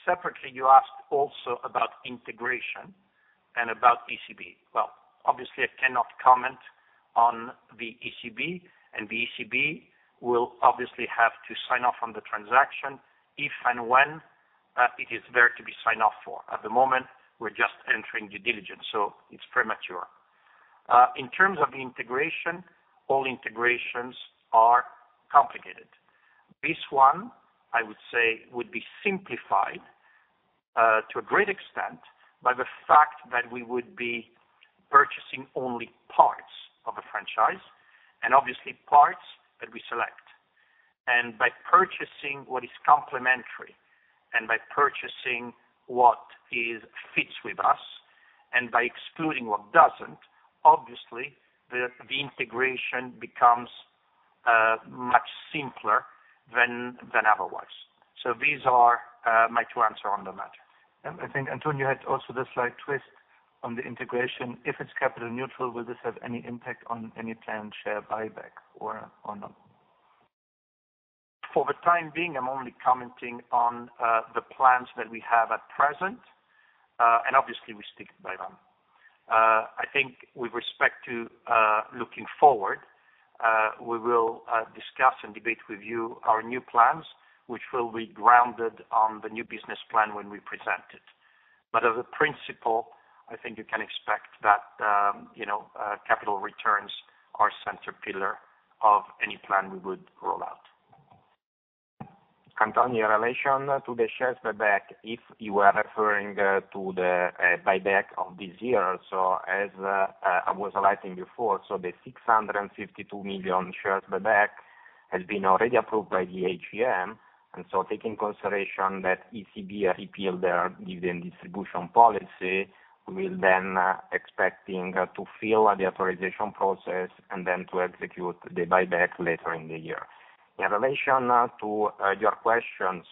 Separately, you asked also about integration and about ECB. Obviously, I cannot comment on the ECB, and the ECB will obviously have to sign off on the transaction if and when it is there to be signed off for. At the moment, we're just entering due diligence, so it's premature. In terms of integration, all integrations are complicated. This one, I would say, would be simplified to a great extent by the fact that we would be purchasing only parts of a franchise, and obviously parts that we select. By purchasing what is complementary, and by purchasing what fits with us, and by excluding what doesn't, obviously the integration becomes much simpler than otherwise. These are my two answers on the matter. I think, Antonio, you had also the slight twist on the integration. If it's capital neutral, will this have any impact on any planned share buyback or not? For the time being, I'm only commenting on the plans that we have at present, and obviously we stick by them. I think with respect to looking forward, we will discuss and debate with you our new plans, which will be grounded on the new business plan when we present it. As a principle, I think you can expect that capital returns are center pillar of any plan we would roll out. Antonio, in relation to the shares buyback, if you are referring to the buyback of this year, as I was highlighting before, the 652 million shares buyback has been already approved by the AGM, take in consideration that ECB repealed their dividend distribution policy, we will then expecting to file the authorization process and then to execute the buyback later in the year. In relation to your questions,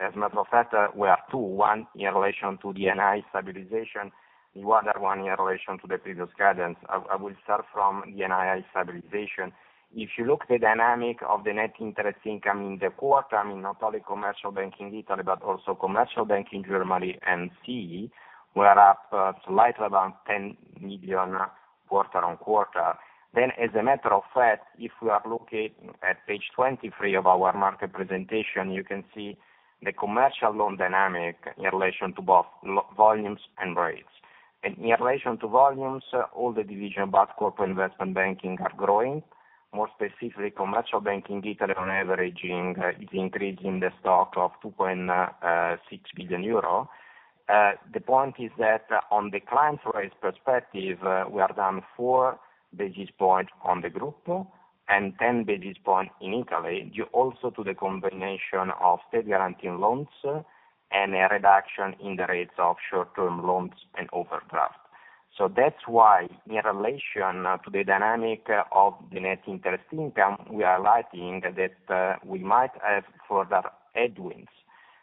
as a matter of fact, were 2, 1 in relation to the NII stabilization, the other 1 in relation to the previous guidance. I will start from the NII stabilization. If you look the dynamic of the net interest income in the quarter, I mean, not only Commercial Banking Italy, but also Commercial Banking Germany and CIB, were up slightly above 10 million quarter-on-quarter. As a matter of fact, if we are looking at page 23 of our market presentation, you can see the commercial loan dynamic in relation to both volumes and rates. In relation to volumes, all the division but Corporate & Investment Banking are growing. More specifically, Commercial Banking Italy on averaging is increasing the stock of 2.6 billion euro. The point is that on the client's rates perspective, we are down 4 basis points on the group and 10 basis points in Italy, due also to the combination of state guaranteeing loans and a reduction in the rates of short-term loans and overdraft. That's why, in relation to the dynamic of the net interest income, we are highlighting that we might have further headwinds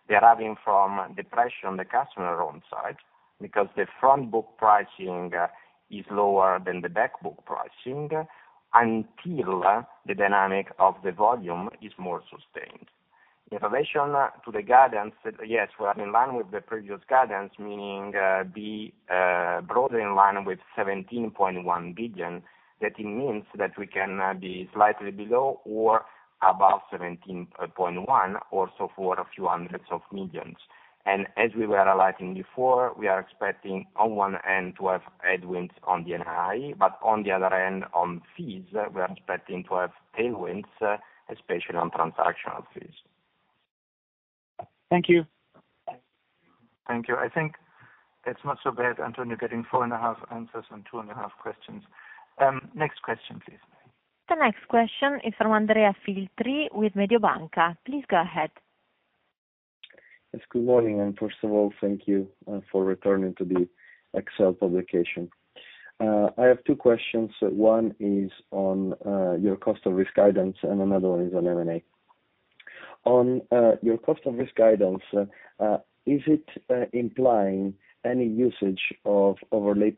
deriving from the pressure on the customer loan side, because the front book pricing is lower than the back book pricing, until the dynamic of the volume is more sustained. In relation to the guidance, yes, we are in line with the previous guidance, meaning be broadly in line with 17.1 billion. That means that we can be slightly below or above 17.1 or so for a few hundreds of millions. As we were highlighting before, we are expecting on one end to have headwinds on the NII, but on the other end, on fees, we are expecting to have tailwinds, especially on transactional fees. Thank you. Thank you. I think it is not so bad, Antonio, getting four and a half answers on two and a half questions. Next question, please. The next question is from Andrea Filtri with Mediobanca. Please go ahead. Yes, good morning. First of all, thank you for returning to the Excel publication. I have two questions. One is on your cost of risk guidance, and another one is on M&A. On your cost of risk guidance, is it implying any usage of overlay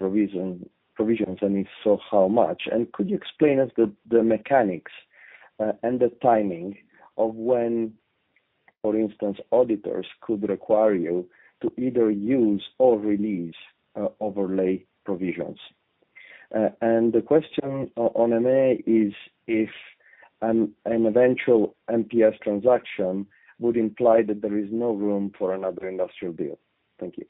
provisions, and if so, how much? Could you explain us the mechanics and the timing of when, for instance, auditors could require you to either use or release overlay provisions? The question on M&A is, if an eventual MPS transaction would imply that there is no room for another industrial deal. Thank you.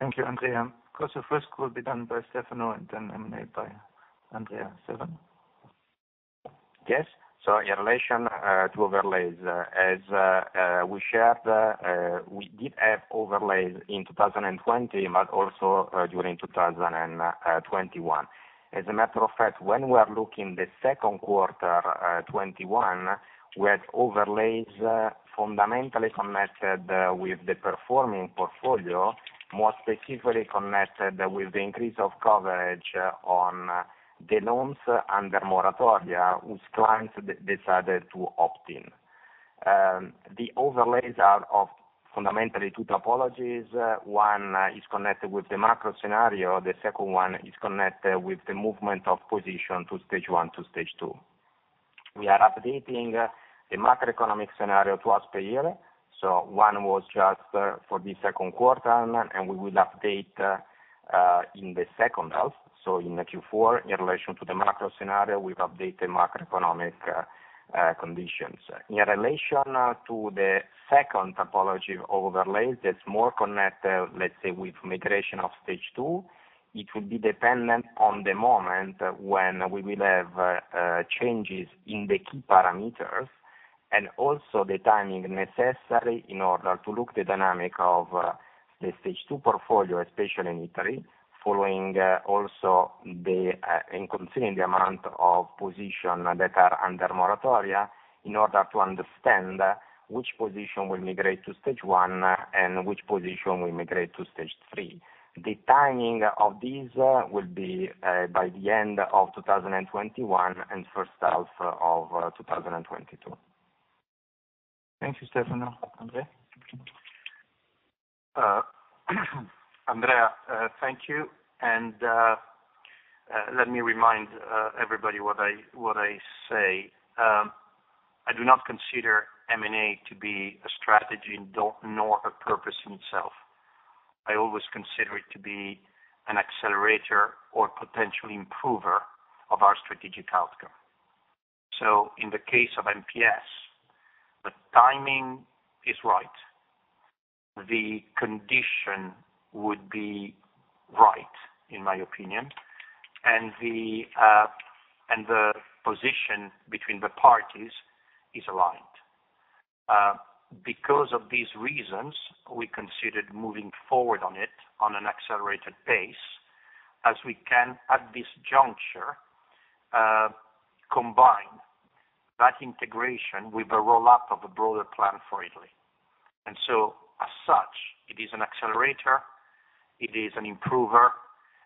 Thank you, Andrea. Cost of risk will be done by Stefano and then M&A by Andrea. Stefano. Yes. In relation to overlays, as we shared, we did have overlays in 2020, but also during 2021. As a matter of fact, when we are looking the second quarter 2021, we had overlays fundamentally connected with the performing portfolio, more specifically connected with the increase of coverage on the loans under moratoria, whose clients decided to opt in. The overlays are of fundamentally two typologies. One is connected with the macro scenario, the second one is connected with the movement of position to Stage 1 to Stage 2. We are updating the macroeconomic scenario twice per year. One was just for the second quarter, and we will update in the second half. In the Q4, in relation to the macro scenario, we've updated macroeconomic conditions. In relation to the second typology of overlays, that's more connected, let's say, with migration of Stage 2, it will be dependent on the moment when we will have changes in the key parameters and also the timing necessary in order to look the dynamic of the Stage 2 portfolio, especially in Italy, following also the In considering the amount of position that are under moratoria in order to understand which position will migrate to Stage 1 and which position will migrate to Stage 3. The timing of these will be by the end of 2021 and first half of 2022. Thank you, Stefano. Andrea. Andrea, thank you. Let me remind everybody what I say. I do not consider M&A to be a strategy nor a purpose in itself. I always consider it to be an accelerator or potential improver of our strategic outcome. In the case of MPS, the timing is right. The condition would be right, in my opinion. The position between the parties is aligned. Because of these reasons, we considered moving forward on it on an accelerated pace as we can, at this juncture, combine that integration with the roll-up of a broader plan for Italy. As such, it is an accelerator, it is an improver,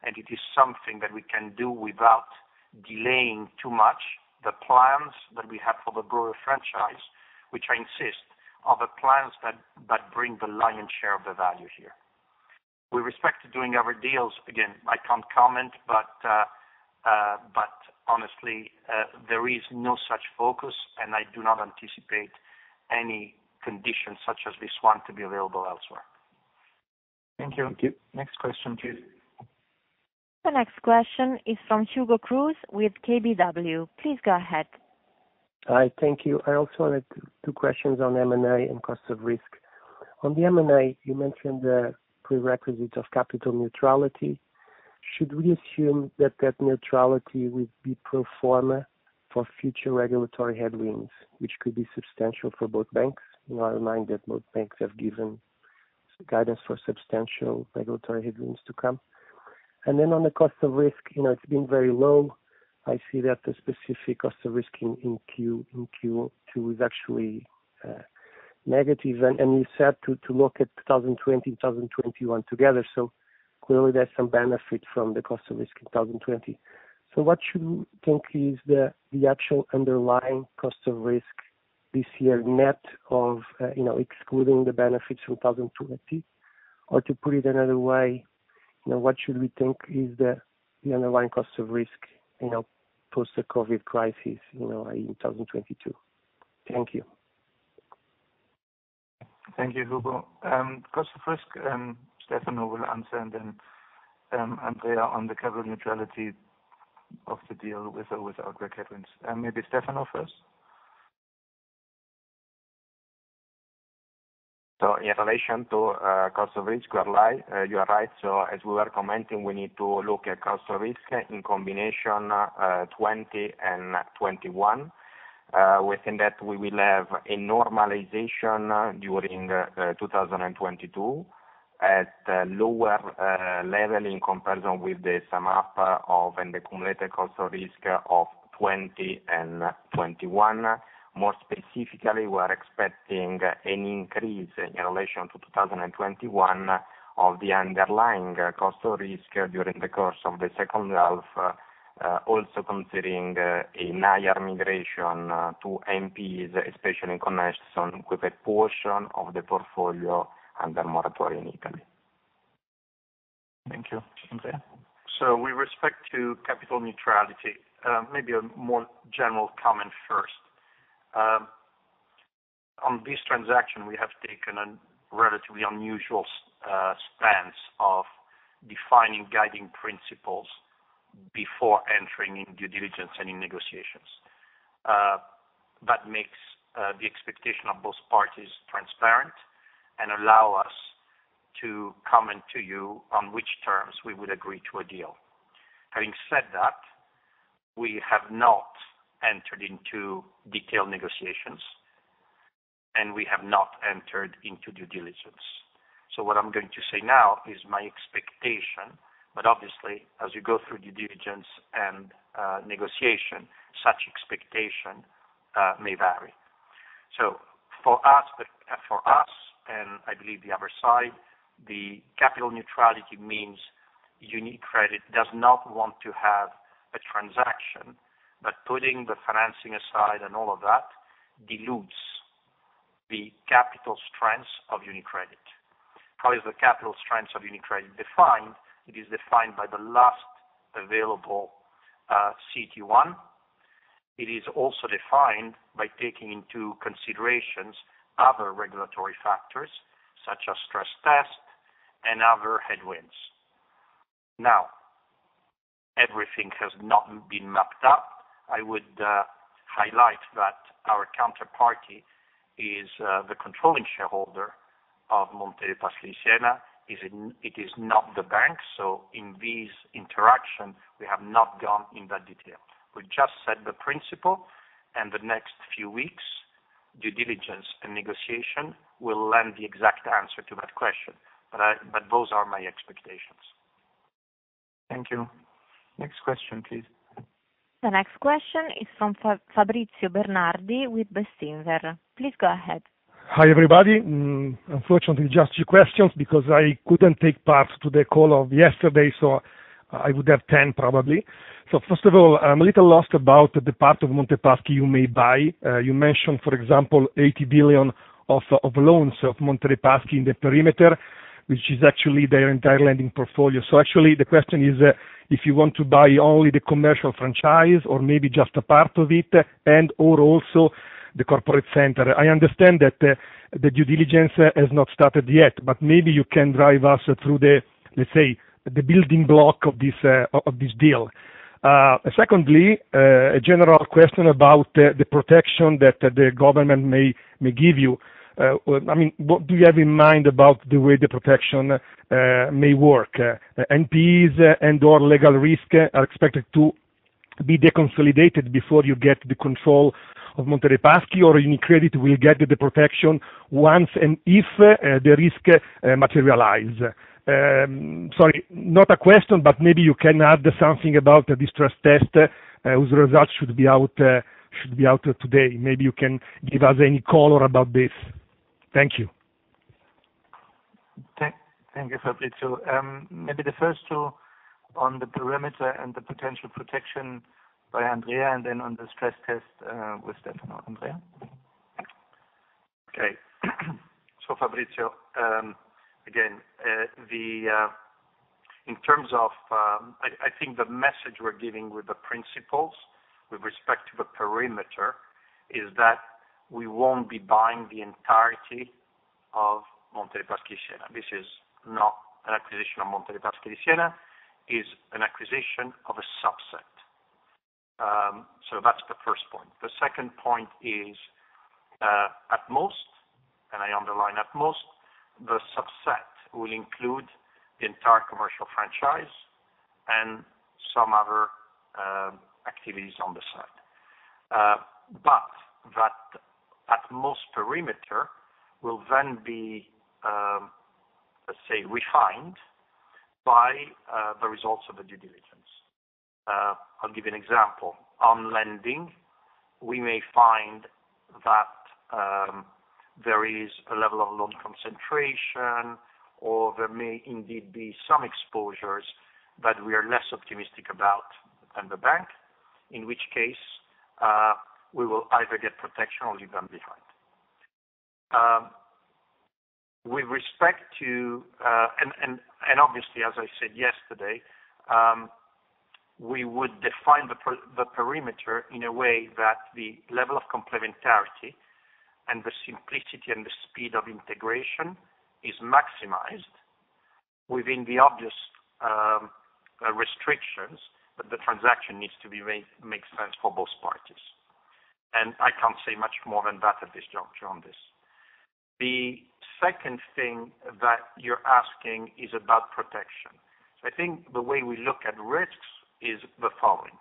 and it is something that we can do without delaying too much the plans that we have for the broader franchise, which I insist are the plans that bring the lion's share of the value here. With respect to doing other deals, again, I can't comment, but honestly, there is no such focus, and I do not anticipate any conditions such as this one to be available elsewhere. Thank you. Thank you Andrea. Next question, please. The next question is from Hugo Cruz with KBW. Please go ahead. Hi. Thank you. I also had two questions on M&A and cost of risk. On the M&A, you mentioned the prerequisite of capital neutrality. Should we assume that that neutrality will be pro forma for future regulatory headwinds, which could be substantial for both banks, bearing in mind that both banks have given guidance for substantial regulatory headwinds to come? Then on the cost of risk, it's been very low. I see that the specific cost of risk in Q2 is actually negative. You said to look at 2020 to 2021 together, so clearly there's some benefit from the cost of risk in 2020. What should we think is the actual underlying cost of risk this year, net of excluding the benefits from 2020? Or to put it another way, what should we think is the underlying cost of risk, post the COVID-19 crisis, in 2022? Thank you. Thank you, Hugo. Cost of risk, Stefano will answer and then Andrea on the capital neutrality of the deal with or without great headwinds. Maybe Stefano first. In relation to cost of risk, you are right. As we were commenting, we need to look at cost of risk in combination 2020 and 2021. Within that, we will have a normalization during 2022 at lower level in comparison with the sum up of and the cumulative cost of risk of 2020 and 2021. More specifically, we are expecting an increase in relation to 2021 of the underlying cost of risk during the course of the second half, also considering a higher migration to NPEs, especially in connection with a portion of the portfolio under moratorium in Italy. Thank you. Andrea. With respect to capital neutrality, maybe a more general comment first. On this transaction, we have taken a relatively unusual stance of defining guiding principles before entering into due diligence and in negotiations. That makes the expectation of both parties transparent and allow us to comment to you on which terms we would agree to a deal. Having said that, we have not entered into detailed negotiations, and we have not entered into due diligence. What I'm going to say now is my expectation, but obviously, as you go through due diligence and negotiation, such expectation may vary. For us, and I believe the other side, the capital neutrality means UniCredit does not want to have a transaction that, putting the financing aside and all of that, dilutes the capital strengths of UniCredit. How is the capital strengths of UniCredit defined? It is defined by the last available CET1. It is also defined by taking into considerations other regulatory factors, such as stress test and other headwinds. Now, everything has not been mapped up. I would highlight that our counterparty is the controlling shareholder of Monte dei Paschi di Siena. It is not the bank, so in this interaction, we have not gone into that detail. We just set the principle, and the next few weeks, due diligence and negotiation will lend the exact answer to that question, but those are my expectations. Thank you. Next question, please. The next question is from Fabrizio Bernardi with Bestinver. Please go ahead. Hi, everybody. Unfortunately, just a few questions because I couldn't take part to the call of yesterday, so I would have 10 probably. First of all, I'm a little lost about the part of Monte Paschi you may buy. You mentioned, for example, 80 billion of loans of Monte dei Paschi in the perimeter, which is actually their entire lending portfolio. Actually, the question is, if you want to buy only the commercial franchise or maybe just a part of it and/or also the corporate center. I understand that the due diligence has not started yet, but maybe you can drive us through the, let's say, the building block of this deal. Secondly, a general question about the protection that the government may give you. What do you have in mind about the way the protection may work? NPEs and/or legal risk are expected to be deconsolidated before you get the control of Monte dei Paschi, or UniCredit will get the protection once and if the risk materialize. Sorry, not a question, but maybe you can add something about the stress test, whose results should be out today. Maybe you can give us any color about this. Thank you. Thank you, Fabrizio. Maybe the first two on the perimeter and the potential protection by Andrea, and then on the stress test with Stefano. Andrea. Okay. Fabrizio, again, I think the message we're giving with the principles with respect to the perimeter is that we won't be buying the entirety of Monte dei Paschi di Siena. This is not an acquisition of Monte dei Paschi di Siena, it's an acquisition of a subset. That's the first point. The second point is, at most, and I underline at most, the subset will include the entire commercial franchise and some other activities on the side. That at most perimeter will then be, let's say, refined by the results of the due diligence. I'll give you an example. On lending, we may find that there is a level of loan concentration, or there may indeed be some exposures that we are less optimistic about than the bank, in which case, we will either get protection or leave them behind. Obviously, as I said yesterday, we would define the perimeter in a way that the level of complementarity and the simplicity and the speed of integration is maximized. Within the obvious restrictions, the transaction needs to make sense for both parties. I can't say much more than that at this juncture on this. The second thing that you're asking is about protection. I think the way we look at risks is the following.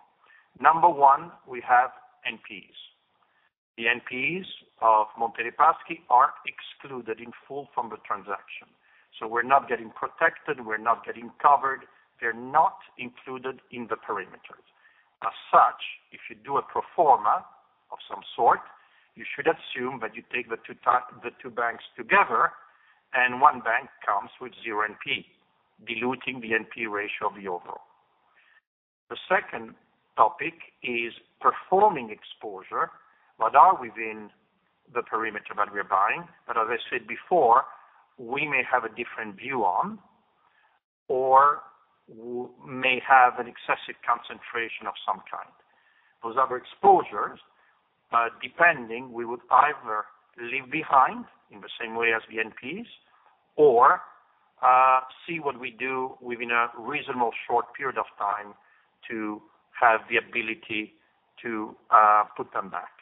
Number 1, we have NPEs. The NPEs of Monte dei Paschi are excluded in full from the transaction. We're not getting protected, we're not getting covered, they're not included in the perimeters. As such, if you do a pro forma of some sort, you should assume that you take the two banks together, and one bank comes with 0 NPE, diluting the NPE ratio of the overall. The second topic is performing exposure, that are within the perimeter that we are buying, but as I said before, we may have a different view on, or may have an excessive concentration of some kind. Depending, we would either leave behind in the same way as the NPEs or see what we do within a reasonable short period of time to have the ability to put them back.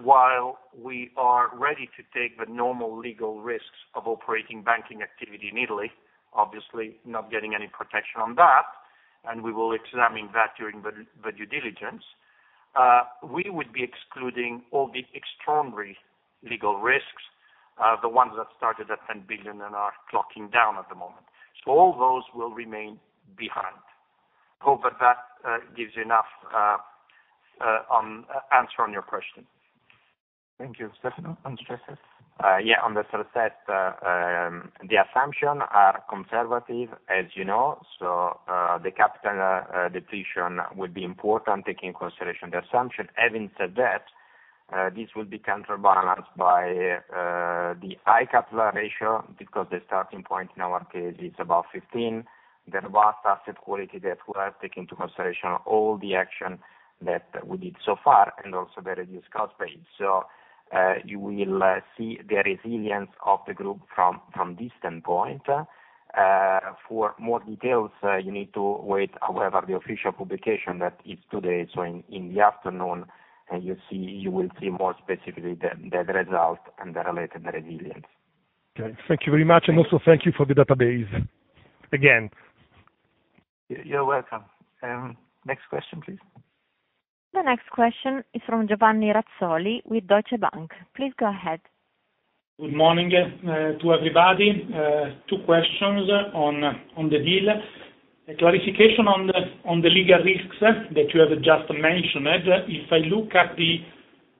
While we are ready to take the normal legal risks of operating banking activity in Italy, obviously not getting any protection on that, and we will examine that during the due diligence, we would be excluding all the extraordinary legal risks, the ones that started at 10 billion and are clocking down at the moment. All those will remain behind. Hope that gives you enough answer on your question. Thank you. Stefano, on stress tests? Yeah, on the stress tests, the assumption are conservative as you know, so, the capital depletion would be important taking into consideration the assumption. Having said that, this will be counterbalanced by the high capital ratio because the starting point in our case is above 15. The vast asset quality that we have take into consideration all the action that we did so far and also the reduced cost base. You will see the resilience of the group from this standpoint. For more details, you need to wait, however, the official publication that is today, so in the afternoon, and you will see more specifically the result and the related resilience. Okay. Thank you very much, and also thank you for the database again. You're welcome. Next question, please. The next question is from Giovanni Razzoli with Deutsche Bank. Please go ahead. Good morning to everybody. Two questions on the deal. A clarification on the legal risks that you have just mentioned. If I look at the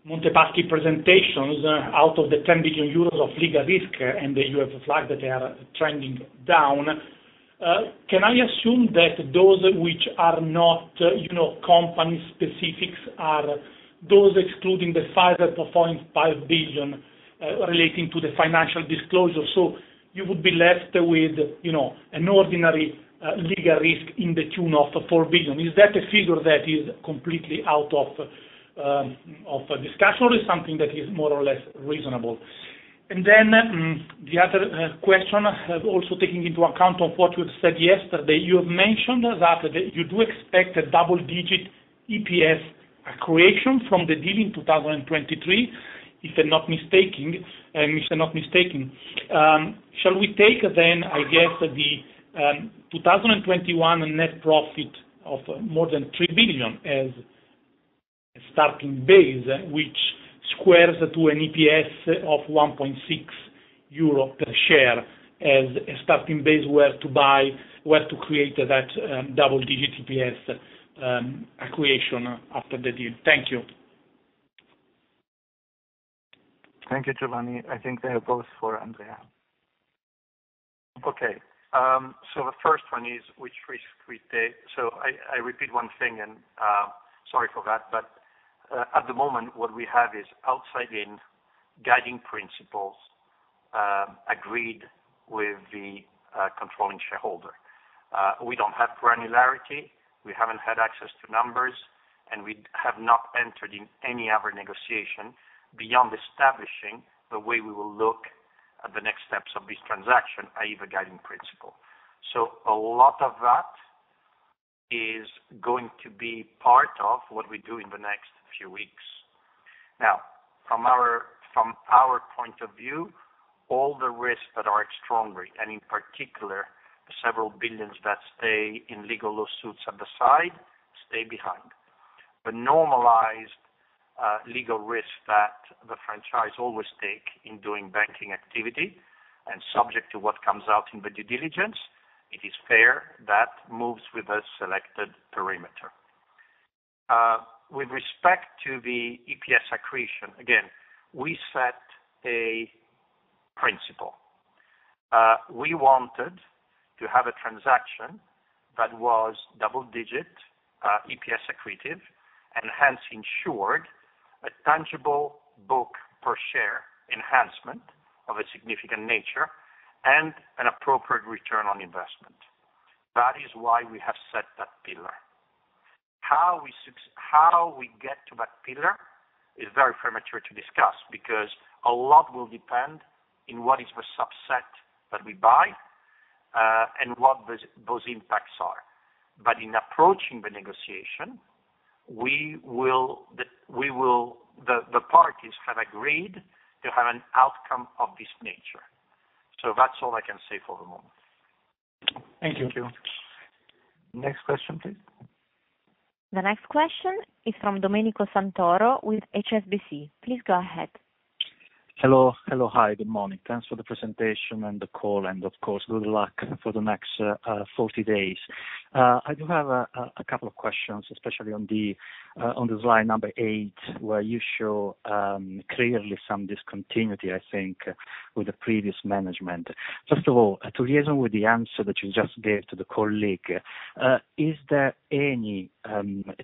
Monte dei Paschi presentations out of the 10 billion euros of legal risk, and you have flagged that they are trending down, can I assume that those which are not company specifics are those excluding the 5.5 billion, relating to the financial disclosure? So you would be left with an ordinary legal risk in the tune of 4 billion. Is that a figure that is completely out of discussion or is something that is more or less reasonable? The other question, also taking into account of what you've said yesterday, you have mentioned that you do expect a double-digit EPS accretion from the deal in 2023, if I'm not mistaken. Shall we take, I guess, the 2021 net profit of more than 3 billion as a starting base, which squares to an EPS of €1.6 per share as a starting base where to create that double-digit EPS accretion after the deal? Thank you. Thank you, Giovanni. I think they are both for Andrea. Okay. The first one is which risk we take. I repeat one thing, and sorry for that, but at the moment what we have is outside-in guiding principles, agreed with the controlling shareholder. We don't have granularity, we haven't had access to numbers, and we have not entered in any other negotiation beyond establishing the way we will look at the next steps of this transaction, i.e., the guiding principle. A lot of that is going to be part of what we do in the next few weeks. Now, from our point of view, all the risks that are extraordinary, and in particular, several billion that stay in legal lawsuits at the side, stay behind. The normalized legal risk that the franchise always take in doing banking activity, and subject to what comes out in the due diligence, it is fair that moves with the selected perimeter. With respect to the EPS accretion, again, we set a principle. We wanted to have a transaction that was double-digit EPS accretive, and hence ensured a tangible book per share enhancement of a significant nature and an appropriate return on investment. That is why we have set that pillar. How we get to that pillar is very premature to discuss, because a lot will depend on what is the subset that we buy, and what those impacts are. In approaching the negotiation, the parties have agreed to have an outcome of this nature. That's all I can say for the moment. Thank you. Next question, please. The next question is from Domenico Santoro with HSBC. Please go ahead. Hello. Hi, good morning. Thanks for the presentation and the call, of course, good luck for the next 40 days. I do have a couple of questions, especially on the slide number eight, where you show clearly some discontinuity, I think, with the previous management. First of all, to reason with the answer that you just gave to the colleague, is there any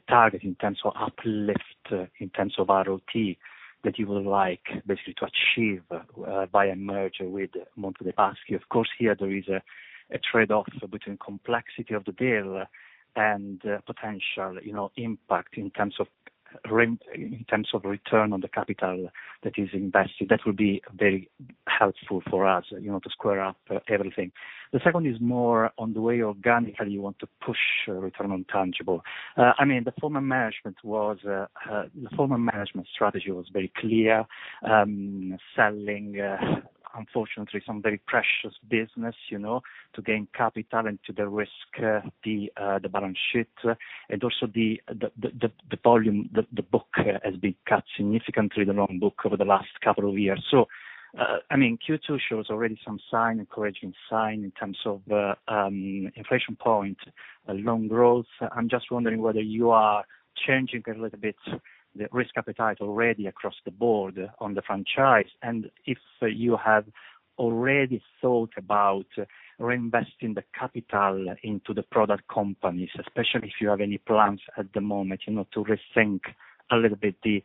target in terms of uplift, in terms of RoTE that you would like basically to achieve by a merger with Monte dei Paschi? Of course, here there is a trade-off between complexity of the deal and potential impact in terms of return on the capital that is invested. That would be very helpful for us to square up everything. The second is more on the way organically you want to push return on tangible. The former management strategy was very clear, selling, unfortunately, some very precious business to gain capital and to de-risk the balance sheet and also the book has been cut significantly, the loan book, over the last couple of years. Q2 shows already some encouraging sign in terms of inflection point, loan growth. I'm just wondering whether you are changing a little bit the risk appetite already across the board on the franchise, and if you have already thought about reinvesting the capital into the product companies, especially if you have any plans at the moment to rethink a little bit the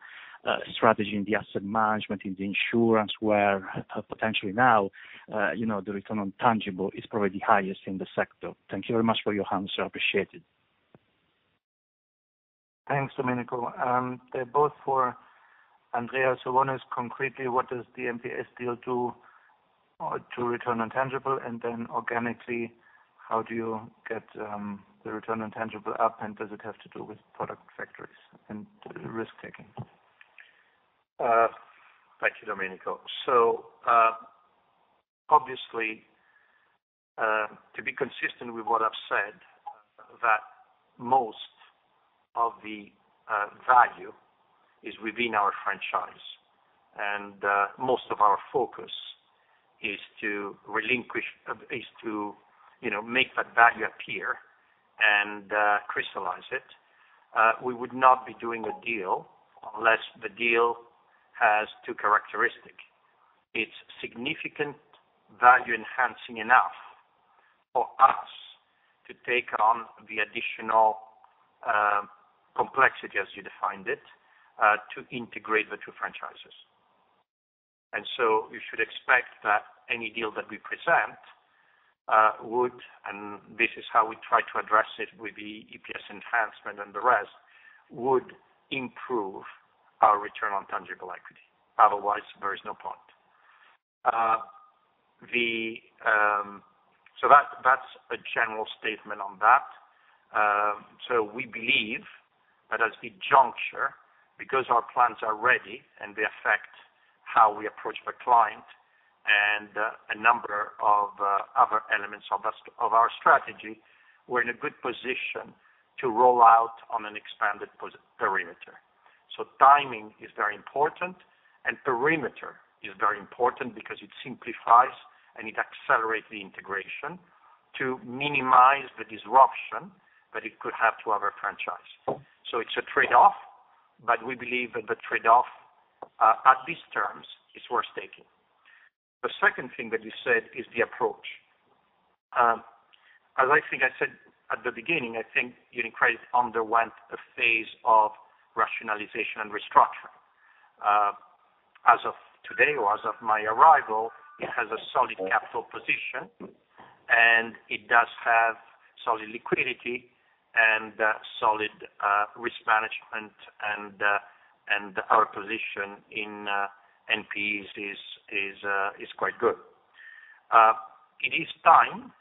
strategy in the asset management, in the insurance, where potentially now the return on tangible is probably the highest in the sector. Thank you very much for your answer. Appreciate it. Thanks, Domenico. They're both for Andrea. One is concretely, what does the MPS deal do to return on tangible, and then organically, how do you get the return on tangible up, and does it have to do with product factories and risk-taking? Thank you, Domenico. Obviously, to be consistent with what I've said, that most of the value is within our franchise, and most of our focus is to make that value appear and crystallize it. We would not be doing a deal unless the deal has two characteristics. It's significant value-enhancing enough for us to take on the additional complexity, as you defined it, to integrate the two franchises. You should expect that any deal that we present would, and this is how we try to address it with the EPS enhancement and the rest, would improve our return on tangible equity. Otherwise, there is no point. That's a general statement on that. We believe that at this juncture, because our plans are ready and they affect how we approach the client and a number of other elements of our strategy, we're in a good position to roll out on an expanded perimeter. Timing is very important, and perimeter is very important because it simplifies and it accelerates the integration to minimize the disruption that it could have to our franchise. It's a trade-off, but we believe that the trade-off at these terms is worth taking. The second thing that you said is the approach. As I think I said at the beginning, I think UniCredit underwent a phase of rationalization and restructuring. As of today, or as of my arrival, it has a solid capital position, and it does have solid liquidity and solid risk management, and our position in NPEs is quite good. It is time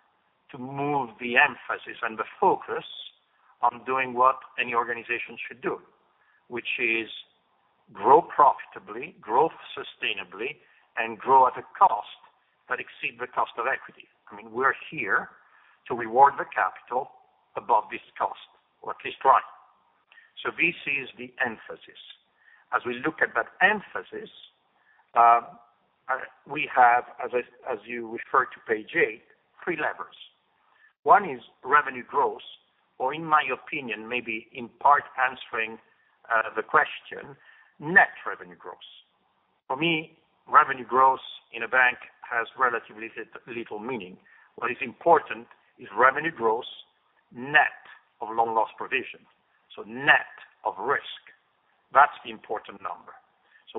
to move the emphasis and the focus on doing what any organization should do, which is grow profitably, grow sustainably, and grow at a cost that exceeds the cost of equity. We're here to reward the capital above this cost, or at least try. This is the emphasis. As we look at that emphasis, we have, as you refer to page 8, three levers. One is revenue growth, or in my opinion, maybe in part answering the question, net revenue growth. For me, revenue growth in a bank has relatively little meaning. What is important is revenue growth net of loan loss provisions, so net of risk. Important number.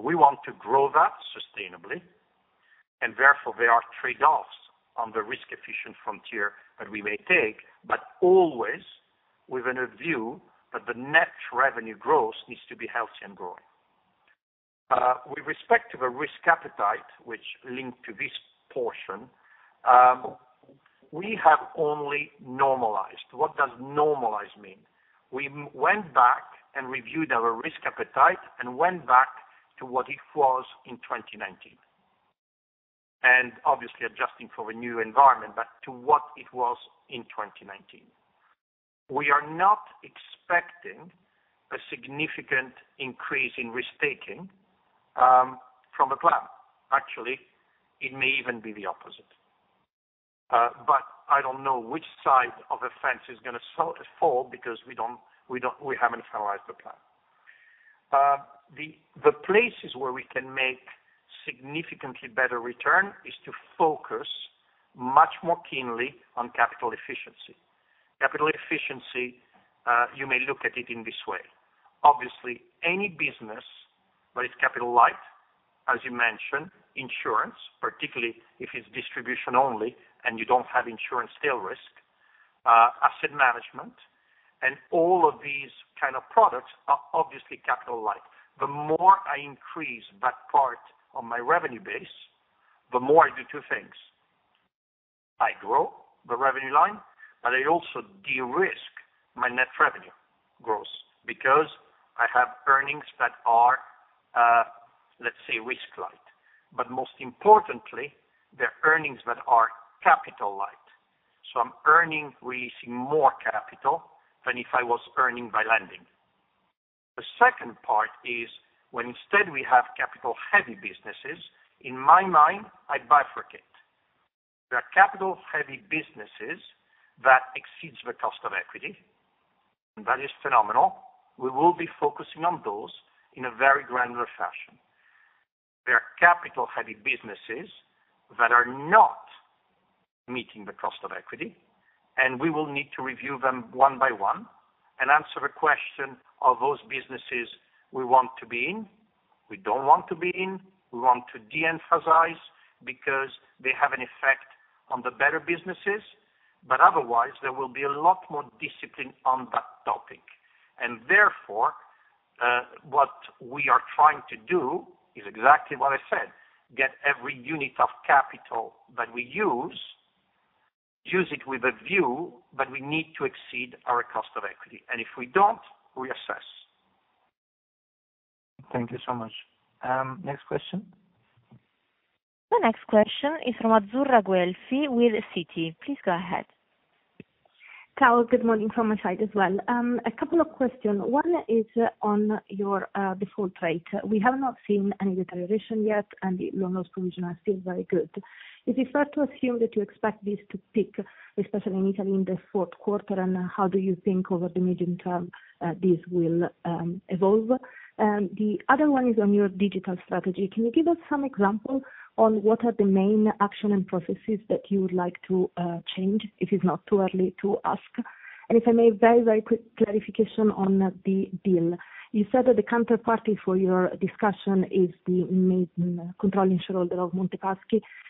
We want to grow that sustainably, and therefore there are trade-offs on the risk-efficient frontier that we may take, but always with a view that the net revenue growth needs to be healthy and growing. With respect to the risk appetite, which linked to this portion, we have only normalized. What does normalized mean? We went back and reviewed our risk appetite and went back to what it was in 2019, and obviously adjusting for a new environment, but to what it was in 2019. We are not expecting a significant increase in risk-taking from the plan. Actually, it may even be the opposite. I don't know which side of the fence is going to fall because we haven't finalized the plan. The places where we can make significantly better return is to focus much more keenly on capital efficiency. Capital efficiency, you may look at it in this way. Any business that is capital light, as you mentioned, insurance, particularly if it's distribution only and you don't have insurance tail risk, asset management, and all of these kind of products are obviously capital light. The more I increase that part of my revenue base, the more I do two things. I grow the revenue line, but I also de-risk my net revenue growth because I have earnings that are, let's say risk light. Most importantly, they're earnings that are capital light. I'm earning releasing more capital than if I was earning by lending. The second part is when instead we have capital-heavy businesses, in my mind, I bifurcate. There are capital-heavy businesses that exceed the cost of equity, and that is phenomenal. We will be focusing on those in a very granular fashion. There are capital-heavy businesses that are not meeting the cost of equity, and we will need to review them one by one and answer the question, are those businesses we want to be in, we don't want to be in, we want to de-emphasize because they have an effect on the better businesses. Otherwise, there will be a lot more discipline on that topic. Therefore, what we are trying to do is exactly what I said, get every unit of capital that we use it with a view that we need to exceed our cost of equity. If we don't, reassess. Thank you so much. Next question. The next question is from Azzurra Guelfi with Citi. Please go ahead. Ciao. Good morning from my side as well. A couple of questions. One is on your default rate. We have not seen any deterioration yet, and the loan loss provision are still very good. Is it fair to assume that you expect this to peak, especially in Italy, in the fourth quarter? How do you think over the medium term this will evolve? The other one is on your digital strategy. Can you give us some example on what are the main action and processes that you would like to change, if it's not too early to ask? If I may, very quick clarification on the deal. You said that the counterparty for your discussion is the main controlling shareholder of Monte dei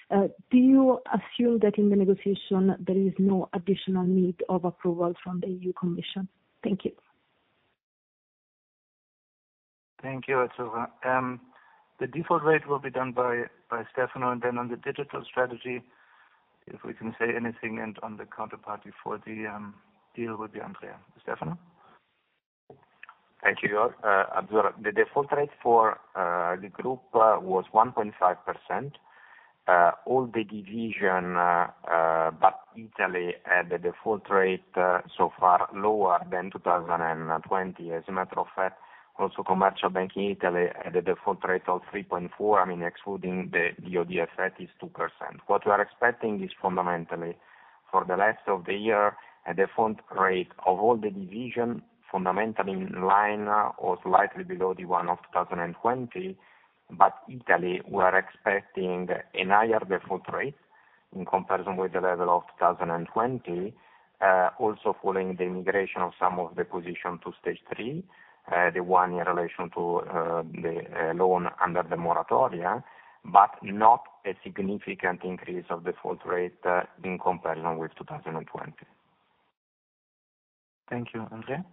Paschi. Do you assume that in the negotiation there is no additional need of approval from the European Commission? Thank you. Thank you, Azzurra. The default rate will be done by Stefano, and then on the digital strategy, if we can say anything, and on the counterparty for the deal will be Andrea. Stefano? Thank you. Azzurra, the default rate for the group was 1.5%. All the division, but Italy had the default rate so far lower than 2020. As a matter of fact, also Commercial Banking Italy had a default rate of 3.4%, I mean, excluding the DoD effect is 2%. What we are expecting is fundamentally for the rest of the year, a default rate of all the division, fundamentally in line or slightly below the one of 2020. Italy, we are expecting a higher default rate in comparison with the level of 2020, also following the migration of some of the position to Stage 3, the one in relation to the loan under the moratoria, but not a significant increase of default rate in comparison with 2020. Thank you. Andrea?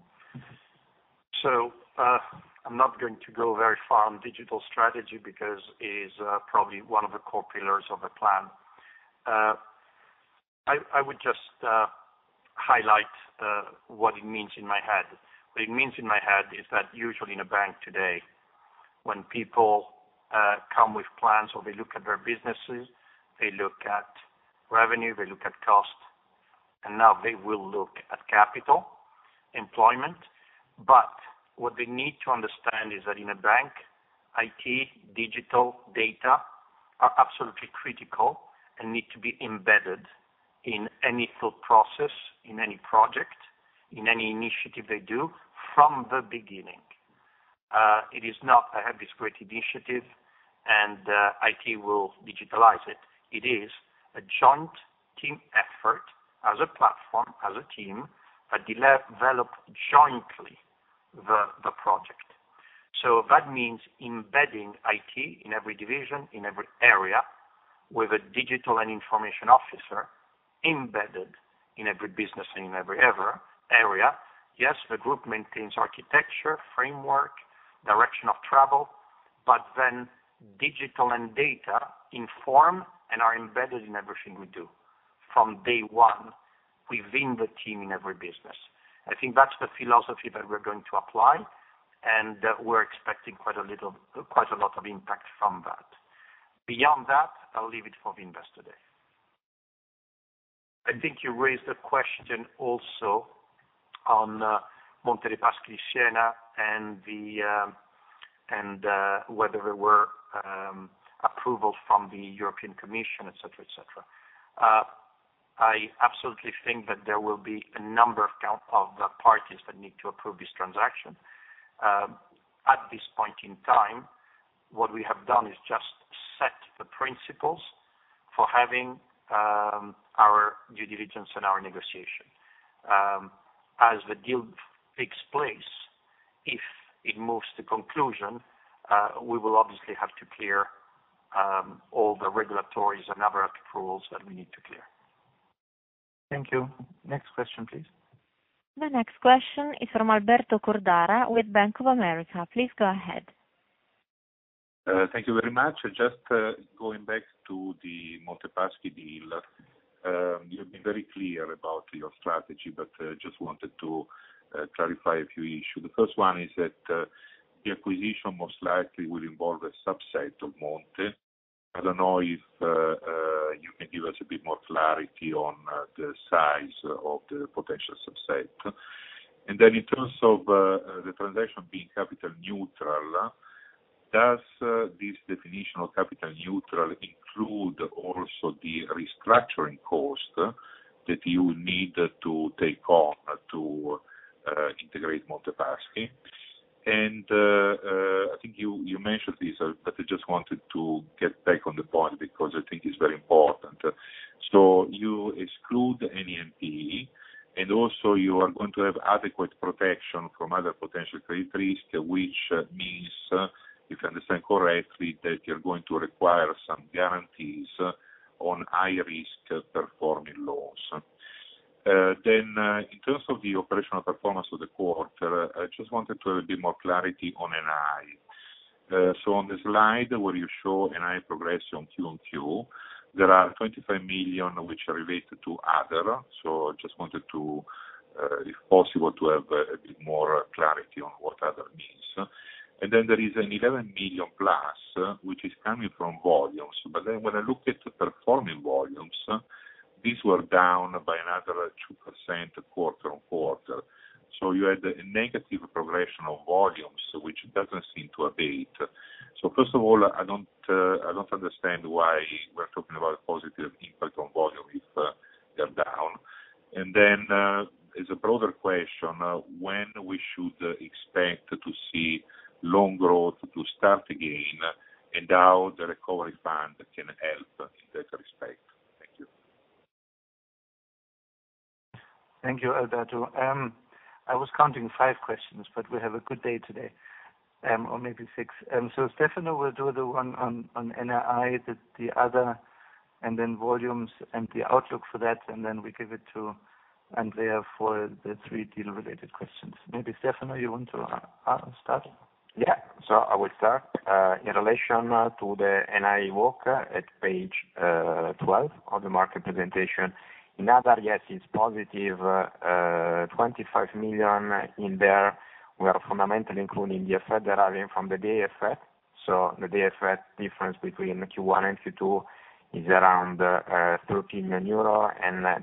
I'm not going to go very far on digital strategy because it is probably one of the core pillars of the plan. I would just highlight what it means in my head. What it means in my head is that usually in a bank today, when people come with plans or they look at their businesses, they look at revenue, they look at cost, and now they will look at capital, employment. What they need to understand is that in a bank, IT, digital, data, are absolutely critical and need to be embedded in any thought process, in any project, in any initiative they do from the beginning. It is not I have this great initiative and IT will digitalize it. It is a joint team effort as a platform, as a team, that develop jointly the project. That means embedding IT in every division, in every area, with a digital and information officer embedded in every business and in every area. The group maintains architecture, framework, direction of travel, then digital and data inform and are embedded in everything we do from day one within the team in every business. That's the philosophy that we're going to apply, and we're expecting quite a lot of impact from that. Beyond that, I'll leave it for the Investor Day. You raised a question also on Monte dei Paschi di Siena and whether there were approval from the European Commission, et cetera. Absolutely think that there will be a number of parties that need to approve this transaction. At this point in time, what we have done is just set the principles for having our due diligence and our negotiation. As the deal takes place, if it moves to conclusion, we will obviously have to clear all the regulatories and other approvals that we need to clear. Thank you. Next question, please. The next question is from Alberto Cordara with Bank of America. Please go ahead. Thank you very much. Just going back to the Monte Paschi deal. You've been very clear about your strategy. Just wanted to clarify a few issues. The first one is that the acquisition most likely will involve a subset of Monte. I don't know if you can give us a bit more clarity on the size of the potential subset. In terms of the transaction being capital neutral, does this definition of capital neutral include also the restructuring cost that you need to take on to integrate Monte Paschi? I think you mentioned this. I just wanted to get back on the point because I think it's very important. You exclude any NPE. You are going to have adequate protection from other potential credit risk, which means, if I understand correctly, that you're going to require some guarantees on high-risk performing loans. In terms of the operational performance of the quarter, I just wanted to have a bit more clarity on NII. On the slide where you show NII progression Q on Q, there are 25 million which are related to other, I just wanted to, if possible, to have a bit more clarity on what other means. There is an 11 million plus, which is coming from volumes. When I look at the performing volumes, these were down by another 2% quarter on quarter. You had a negative progression of volumes, which doesn't seem to abate. First of all, I don't understand why we're talking about positive impact on volume if they're down. As a broader question, when we should expect to see loan growth to start again, and how the recovery fund can help in that respect. Thank you. Thank you, Alberto. I was counting five questions, but we have a good day today. Maybe six. Stefano will do the one on NII, the other, and then volumes and the outlook for that, and then we give it to Andrea for the three deal-related questions. Maybe Stefano, you want to start? I will start. In relation to the NII walk at page 12 of the market presentation. In other, yes, it's positive, 25 million in there. We are fundamentally including the effect deriving from the day effect. The day effect difference between Q1 and Q2 is around 13 million euro.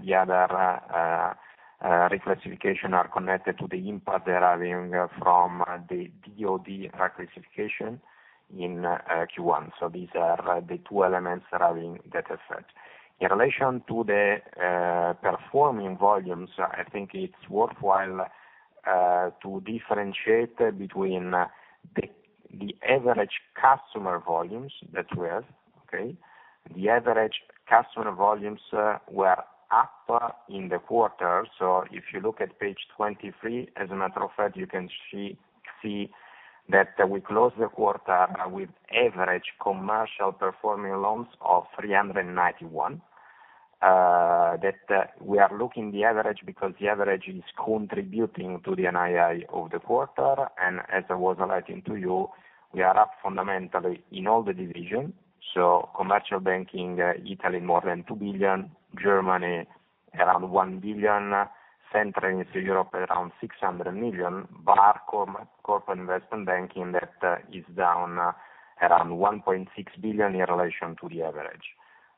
The other reclassification are connected to the impact deriving from the DoD reclassification in Q1. These are the two elements deriving that effect. In relation to the performing volumes, I think it's worthwhile to differentiate between the average customer volumes that we have. Okay? The average customer volumes were up in the quarter. If you look at page 23, as a matter of fact, you can see that we closed the quarter with average commercial performing loans of 391. We are looking the average because the average is contributing to the NII of the quarter. As I was alerting to you, we are up fundamentally in all the divisions. Commercial Banking Italy more than 2 billion, Commercial Banking Germany around 1 billion, Central and Eastern Europe around 600 million, bar Corporate & Investment Banking that is down around 1.6 billion in relation to the average.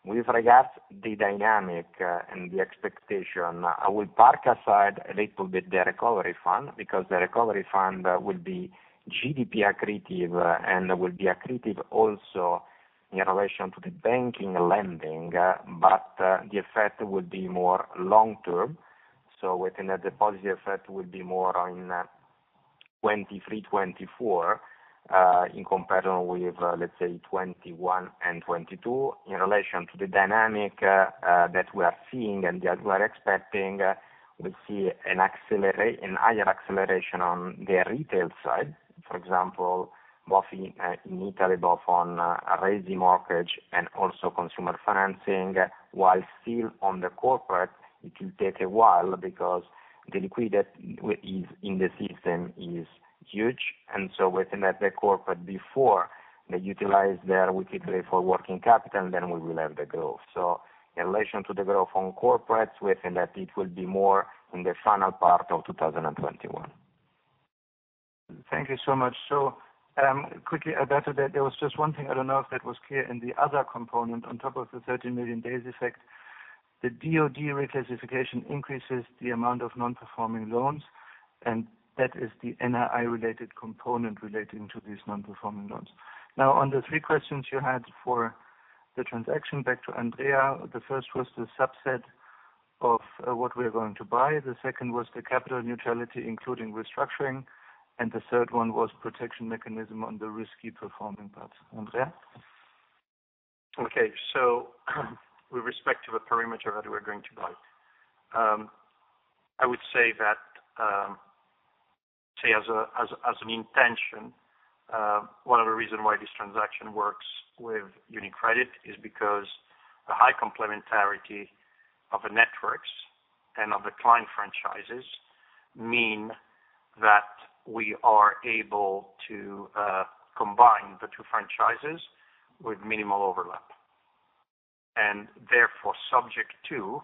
With regards the dynamic and the expectation, I will park aside a little bit the recovery fund, because the recovery fund will be GDP accretive and will be accretive also in relation to the banking lending, but the effect will be more long-term. Within that positive effect will be more in 2023, 2024, in comparison with, let's say, 2021 and 2022, in relation to the dynamic that we are seeing and that we are expecting, we'll see an higher acceleration on the retail side. For example, both in Italy, both on raising mortgage and also consumer financing, while still on the corporate, it will take a while because the liquidity in the system is huge. We think that the corporate, before they utilize their liquidity for working capital, we will have the growth. In relation to the growth on corporates, we think that it will be more in the final part of 2021. Thank you so much. Quickly, Alberto, there was just one thing I don't know if that was clear, in the other component on top of the 30 million days effect, the DoD reclassification increases the amount of non-performing loans, and that is the NII-related component relating to these non-performing loans. On the three questions you had for the transaction, back to Andrea. The first was the subset of what we're going to buy. The second was the capital neutrality, including restructuring. The third one was protection mechanism on the risky performing parts. Andrea? Okay. with respect to the perimeter that we're going to buy. I would say as an intention, 1 of the reason why this transaction works with UniCredit is because the high complementarity of the networks and of the client franchises mean that we are able to combine the 2 franchises with minimal overlap. Therefore, subject to,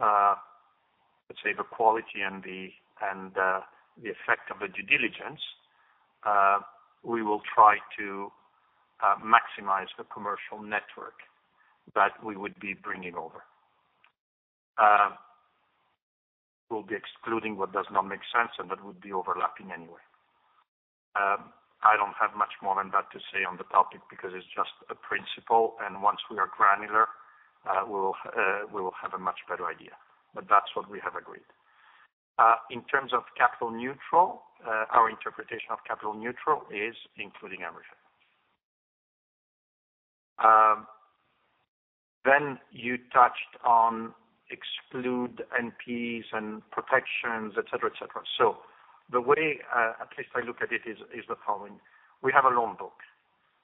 let's say, the quality and the effect of the due diligence, we will try to maximize the commercial network that we would be bringing over. We'll be excluding what does not make sense, and that would be overlapping anyway. I don't have much more than that to say on the topic because it's just a principle, and once we are granular, we will have a much better idea, but that's what we have agreed. In terms of capital neutral, our interpretation of capital neutral is including everything. You touched on exclude NPEs and protections, et cetera. The way, at least I look at it, is the following. We have a loan book.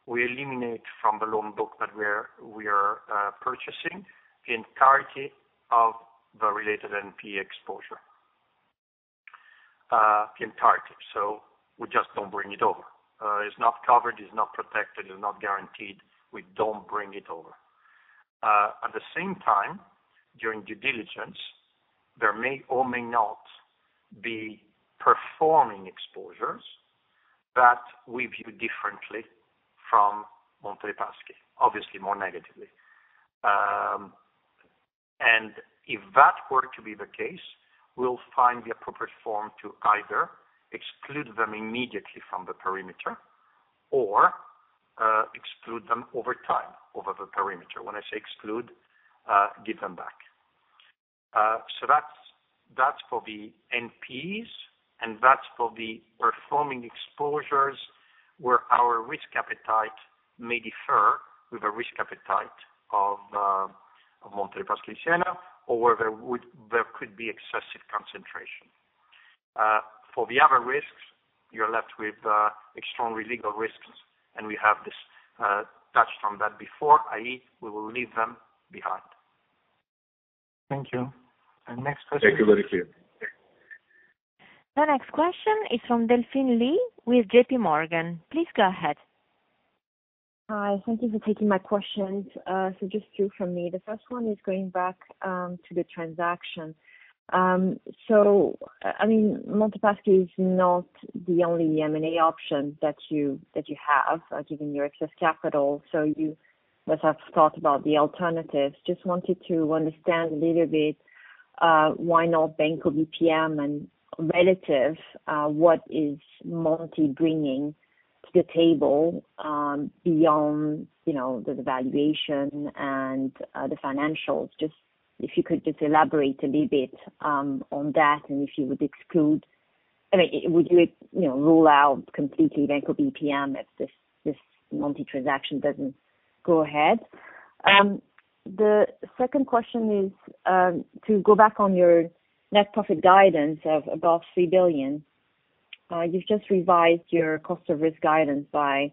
We eliminate from the loan book that we are purchasing the entirety of the related NP exposure. Entirety. We just don't bring it over. It's not covered, it's not protected, it's not guaranteed. We don't bring it over. At the same time, during due diligence, there may or may not be performing exposures that we view differently from Monte dei Paschi, obviously more negatively. If that were to be the case, we'll find the appropriate form to either exclude them immediately from the perimeter or exclude them over time, over the perimeter. When I say exclude, give them back. That's for the NPEs, and that's for the performing exposures where our risk appetite may differ with the risk appetite of Monte dei Paschi di Siena, or where there could be excessive concentration. For the other risks, you're left with extremely legal risks, and we have this touched on that before, i.e., we will leave them behind. Thank you. Next question. Thank you very clear. The next question is from Delphine Lee with JPMorgan. Please go ahead. Hi. Thank you for taking my questions. Just two from me. The first one is going back to the transaction. Monte dei Paschi is not the only M&A option that you have, given your excess capital. You must have thought about the alternatives. Just wanted to understand a little bit, why not Banco BPM and relative, what is Monte bringing to the table, beyond the valuation and the financials? If you could just elaborate a little bit on that, and if you would rule out completely Banco BPM if this Monte transaction doesn't go ahead? The second question is to go back on your net profit guidance of above 3 billion. You've just revised your cost of risk guidance by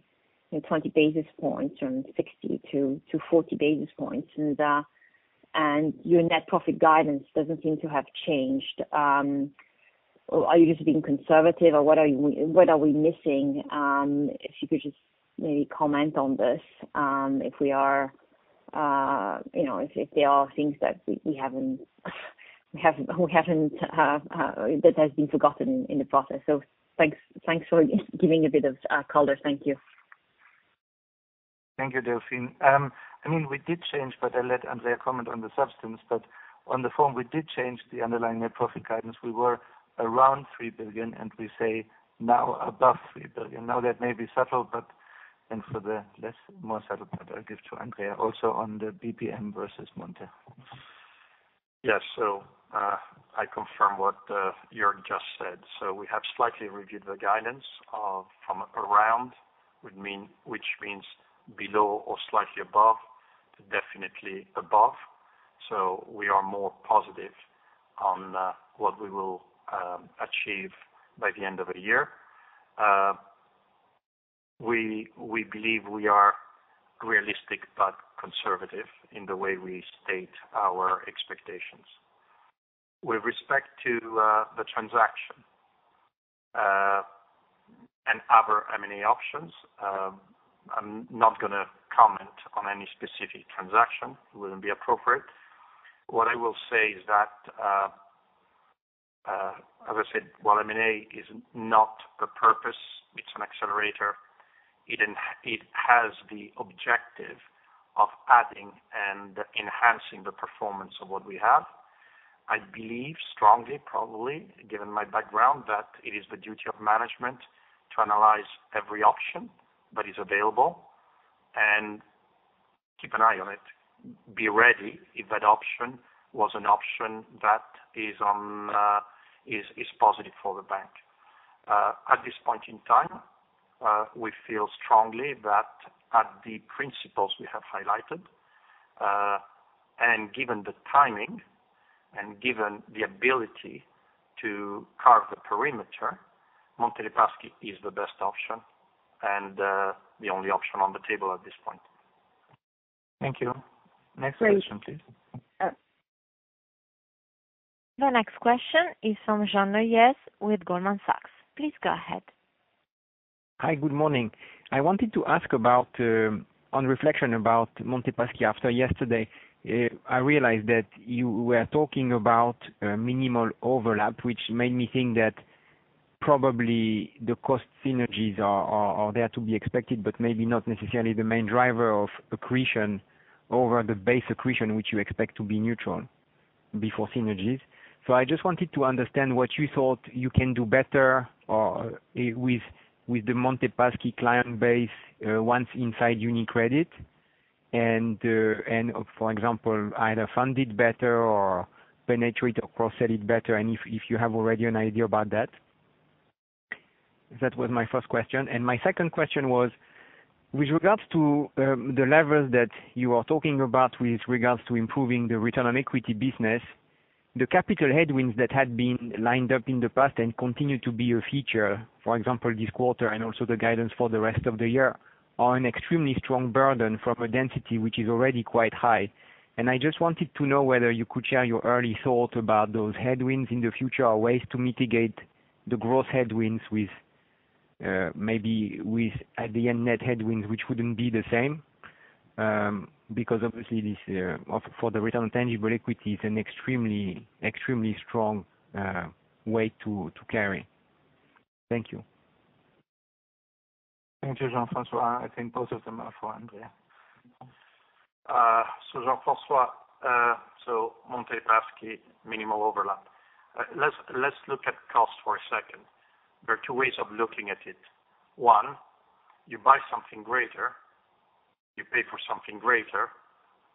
20 basis points from 60 to 40 basis points, and your net profit guidance doesn't seem to have changed. Are you just being conservative or what are we missing? If you could just maybe comment on this, if there are things that has been forgotten in the process. Thanks for giving a bit of color. Thank you. Thank you, Delphine. We did change, but I'll let Andrea comment on the substance, but on the form, we did change the underlying net profit guidance. We were around 3 billion, and we say now above 3 billion. Now that may be subtle, but, and for the less more subtle part, I'll give to Andrea, also on the BPM versus Monte. Yes. I confirm what Jörg just said. We have slightly reviewed the guidance from around, which means below or slightly above, to definitely above. We are more positive on what we will achieve by the end of the year. We believe we are realistic but conservative in the way we state our expectations. With respect to the transaction and other M&A options, I'm not going to comment on any specific transaction. It wouldn't be appropriate. What I will say is that, as I said, while M&A is not the purpose, it's an accelerator. It has the objective of adding and enhancing the performance of what we have. I believe strongly, probably, given my background, that it is the duty of management to analyze every option that is available and keep an eye on it, be ready if that option was an option that is positive for the bank. At this point in time, we feel strongly that at the principles we have highlighted, and given the timing and given the ability to carve the perimeter, Monte dei Paschi is the best option and the only option on the table at this point. Thank you. Next question, please. The next question is from Jean-François Neuez with Goldman Sachs. Please go ahead. Hi, good morning. I wanted to ask, on reflection about Monte dei Paschi after yesterday. I realized that you were talking about minimal overlap, which made me think that probably the cost synergies are there to be expected, but maybe not necessarily the main driver of accretion over the base accretion, which you expect to be neutral before synergies. I just wanted to understand what you thought you can do better with the Monte dei Paschi client base once inside UniCredit, and for example, either fund it better or penetrate or cross-sell it better, and if you have already an idea about that. That was my first question. My second question was, with regards to the levels that you are talking about with regards to improving the return on equity business, the capital headwinds that had been lined up in the past and continue to be a feature, for example, this quarter and also the guidance for the rest of the year, are an extremely strong burden from a density which is already quite high. I just wanted to know whether you could share your early thoughts about those headwinds in the future or ways to mitigate the growth headwinds with maybe at the end net headwinds, which wouldn't be the same. Obviously for the return on tangible equity, it's an extremely strong weight to carry. Thank you. Thank you, Jean-François. I think both of them are for Andrea. Jean-François, Monte dei Paschi, minimal overlap. Let's look at cost for a second. There are two ways of looking at it. One, you buy something greater, you pay for something greater,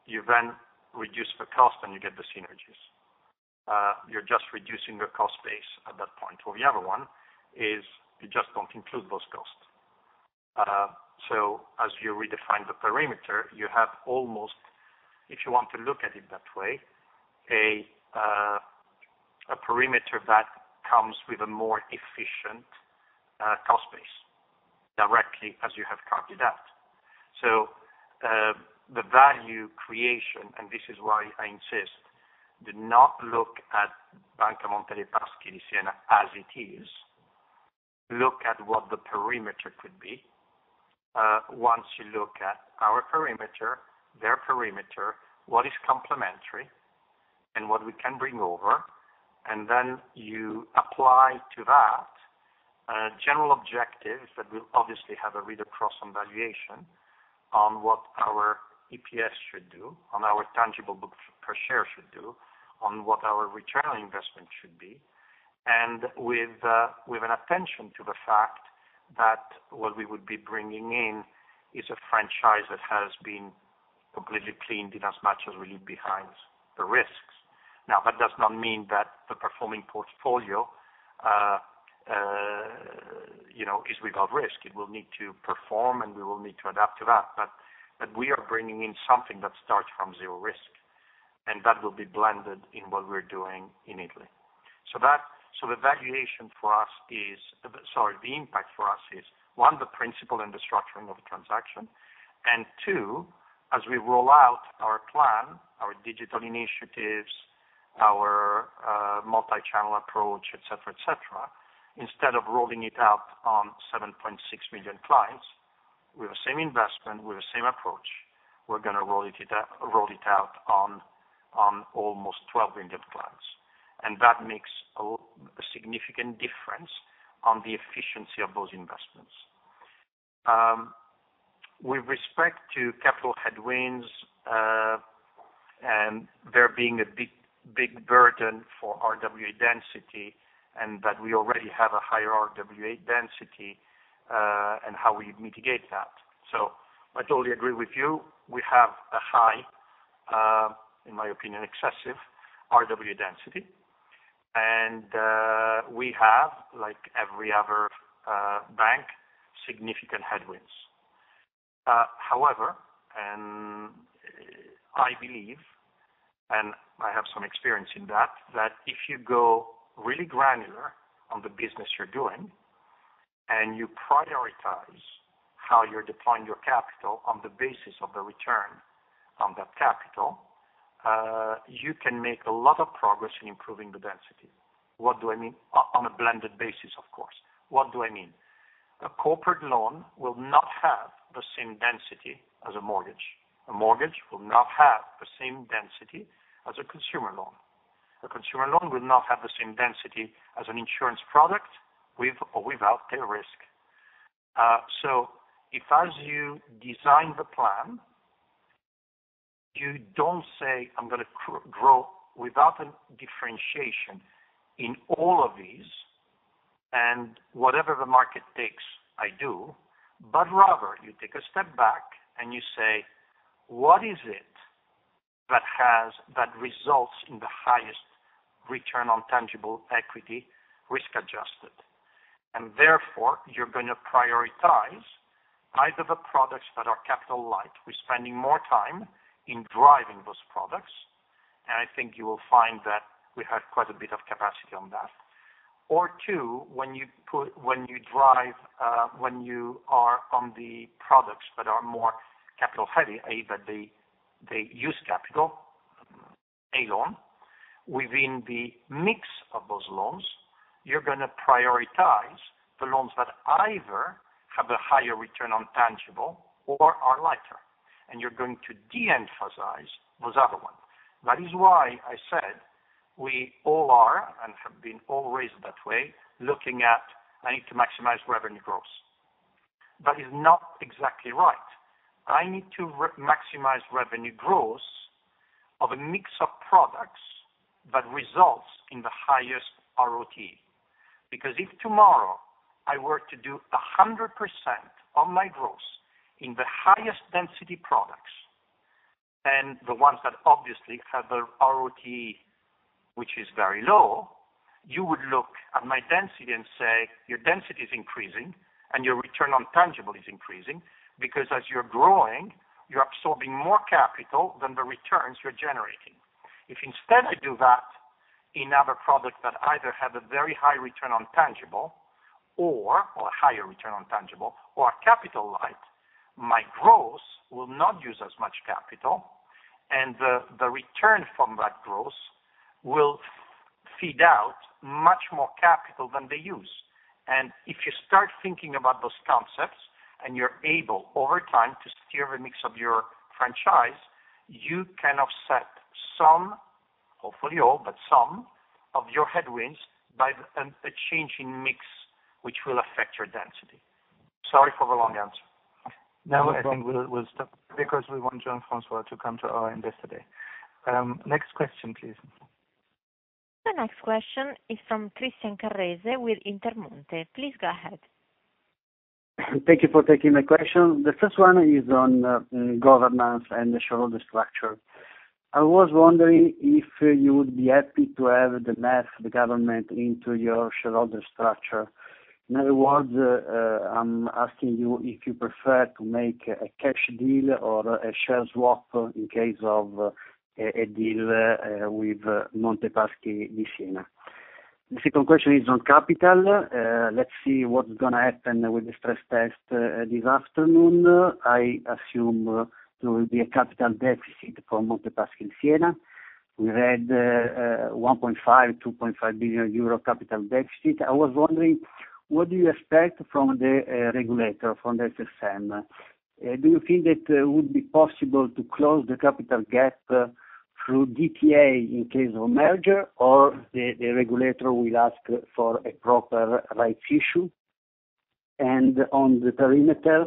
you then reduce the cost and you get the synergies. You're just reducing your cost base at that point. The other one is you just don't include those costs. As you redefine the perimeter, you have almost, if you want to look at it that way, a perimeter that comes with a more efficient cost base directly as you have carved it out. The value creation, and this is why I insist, do not look at Banca Monte dei Paschi di Siena as it is. Look at what the perimeter could be. Once you look at our perimeter, their perimeter, what is complementary and what we can bring over, you apply to that a general objective that will obviously have a read across on valuation on what our EPS should do, on our tangible book per share should do, on what our return on investment should be. With an attention to the fact that what we would be bringing in is a franchise that has been completely cleaned inasmuch as we leave behind the risks. That does not mean that the performing portfolio is without risk. It will need to perform, and we will need to adapt to that. We are bringing in something that starts from 0 risk, and that will be blended in what we're doing in Italy. The impact for us is, one, the principle and the structuring of the transaction, and two, as we roll out our plan, our digital initiatives, our multi-channel approach, et cetera. Instead of rolling it out on 7.6 million clients, with the same investment, with the same approach, we're going to roll it out on almost 12 million clients. That makes a significant difference on the efficiency of those investments. With respect to capital headwinds, there being a big burden for RWA density, and that we already have a higher RWA density, and how we mitigate that. I totally agree with you. We have a high, in my opinion, excessive RWA density. We have, like every other bank, significant headwinds. However, I believe, and I have some experience in that if you go really granular on the business you're doing, and you prioritize how you're deploying your capital on the basis of the return on that capital, you can make a lot of progress in improving the density. What do I mean? On a blended basis, of course. What do I mean? A corporate loan will not have the same density as a mortgage. A mortgage will not have the same density as a consumer loan. A consumer loan will not have the same density as an insurance product, with or without a risk. If as you design the plan, you don't say, "I'm going to grow without a differentiation in all of these, and whatever the market takes, I do," but rather you take a step back and you say, "What is it that results in the highest return on tangible equity risk-adjusted?" Therefore you're going to prioritize either the products that are capital light. We are spending more time in driving those products, and I think you will find that we have quite a bit of capacity on that. 2, when you are on the products that are more capital heavy, A, that they use capital, a loan, within the mix of those loans, you're going to prioritize the loans that either have a higher return on tangible or are lighter, and you're going to de-emphasize those other ones. That is why I said we all are, and have been always that way, looking at, I need to maximize revenue growth. That is not exactly right. I need to maximize revenue growth of a mix of products that results in the highest RoTE. If tomorrow I were to do 100% of my growth in the highest density products, and the ones that obviously have a RoTE which is very low, you would look at my density and say, "Your density is increasing and your return on tangible is increasing because as you're growing, you're absorbing more capital than the returns you're generating." If instead I do that in other products that either have a very high return on tangible, or a higher return on tangible, or are capital light, my growth will not use as much capital, and the return from that growth will feed out much more capital than they use. If you start thinking about those concepts, and you're able, over time, to steer the mix of your franchise, you can offset some, hopefully all, but some of your headwinds by a change in mix, which will affect your density. Sorry for the long answer. No, I think we'll stop because we want Jean-François to come to our investor day. Next question, please. The next question is from Christian Carrese with Intermonte. Please go ahead. Thank you for taking my question. The first one is on governance and the shareholder structure. I was wondering if you would be happy to have the government into your shareholder structure. In other words, I'm asking you if you prefer to make a cash deal or a share swap in case of a deal with Monte dei Paschi di Siena. The second question is on capital. Let's see what's going to happen with the stress test this afternoon. I assume there will be a capital deficit for Monte dei Paschi di Siena. We read 1.5 billion-2.5 billion euro capital deficit. I was wondering, what do you expect from the regulator, from the SSM? Do you think that it would be possible to close the capital gap through DTA in case of a merger, or the regulator will ask for a proper right issue? On the perimeter,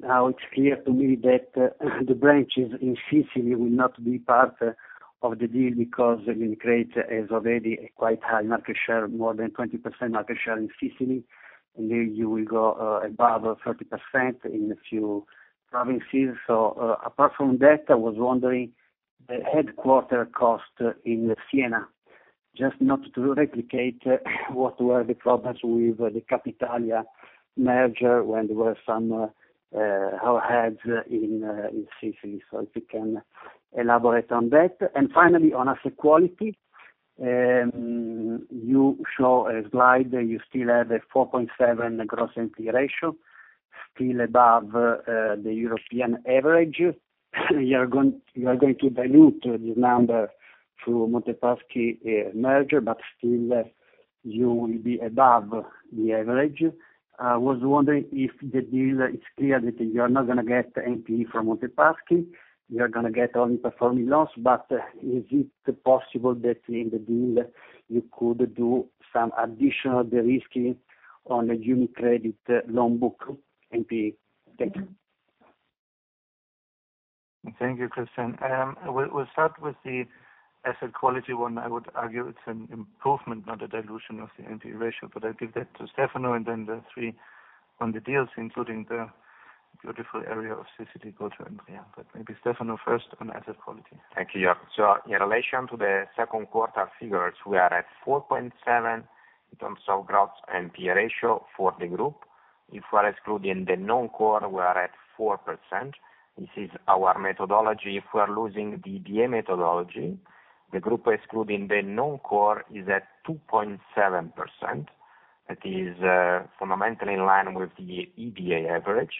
now it's clear to me that the branches in Sicily will not be part of the deal because UniCredit has already a quite high market share, more than 20% market share in Sicily, and there you will go above 30% in a few provinces. Apart from that, I was wondering the headquarter cost in Siena, just not to replicate what were the problems with the Capitalia merger when there were some overheads in Sicily. Finally, on asset quality, you show a slide. You still have a 4.7% gross NPL ratio, still above the European average. You are going to dilute this number through Monte Paschi merger, but still, you will be above the average. I was wondering if the deal is clear that you are not going to get NPL from Monte Paschi, you are going to get only performing loans. Is it possible that in the deal you could do some additional de-risking on the UniCredit loan book NPL? Thank you. Thank you, Christian. We'll start with the asset quality 1. I would argue it's an improvement, not a dilution of the NPE ratio, but I give that to Stefano and then the three on the deals, including the beautiful area of 16 go to Andrea. Maybe Stefano first on asset quality. Thank you, Jörg. In relation to the second quarter figures, we are at 4.7% in terms of gross NPE ratio for the group. If we are excluding the non-core, we are at 4%. This is our methodology. If we're using the EBA methodology, the group excluding the non-core is at 2.7%. That is fundamentally in line with the EBA average.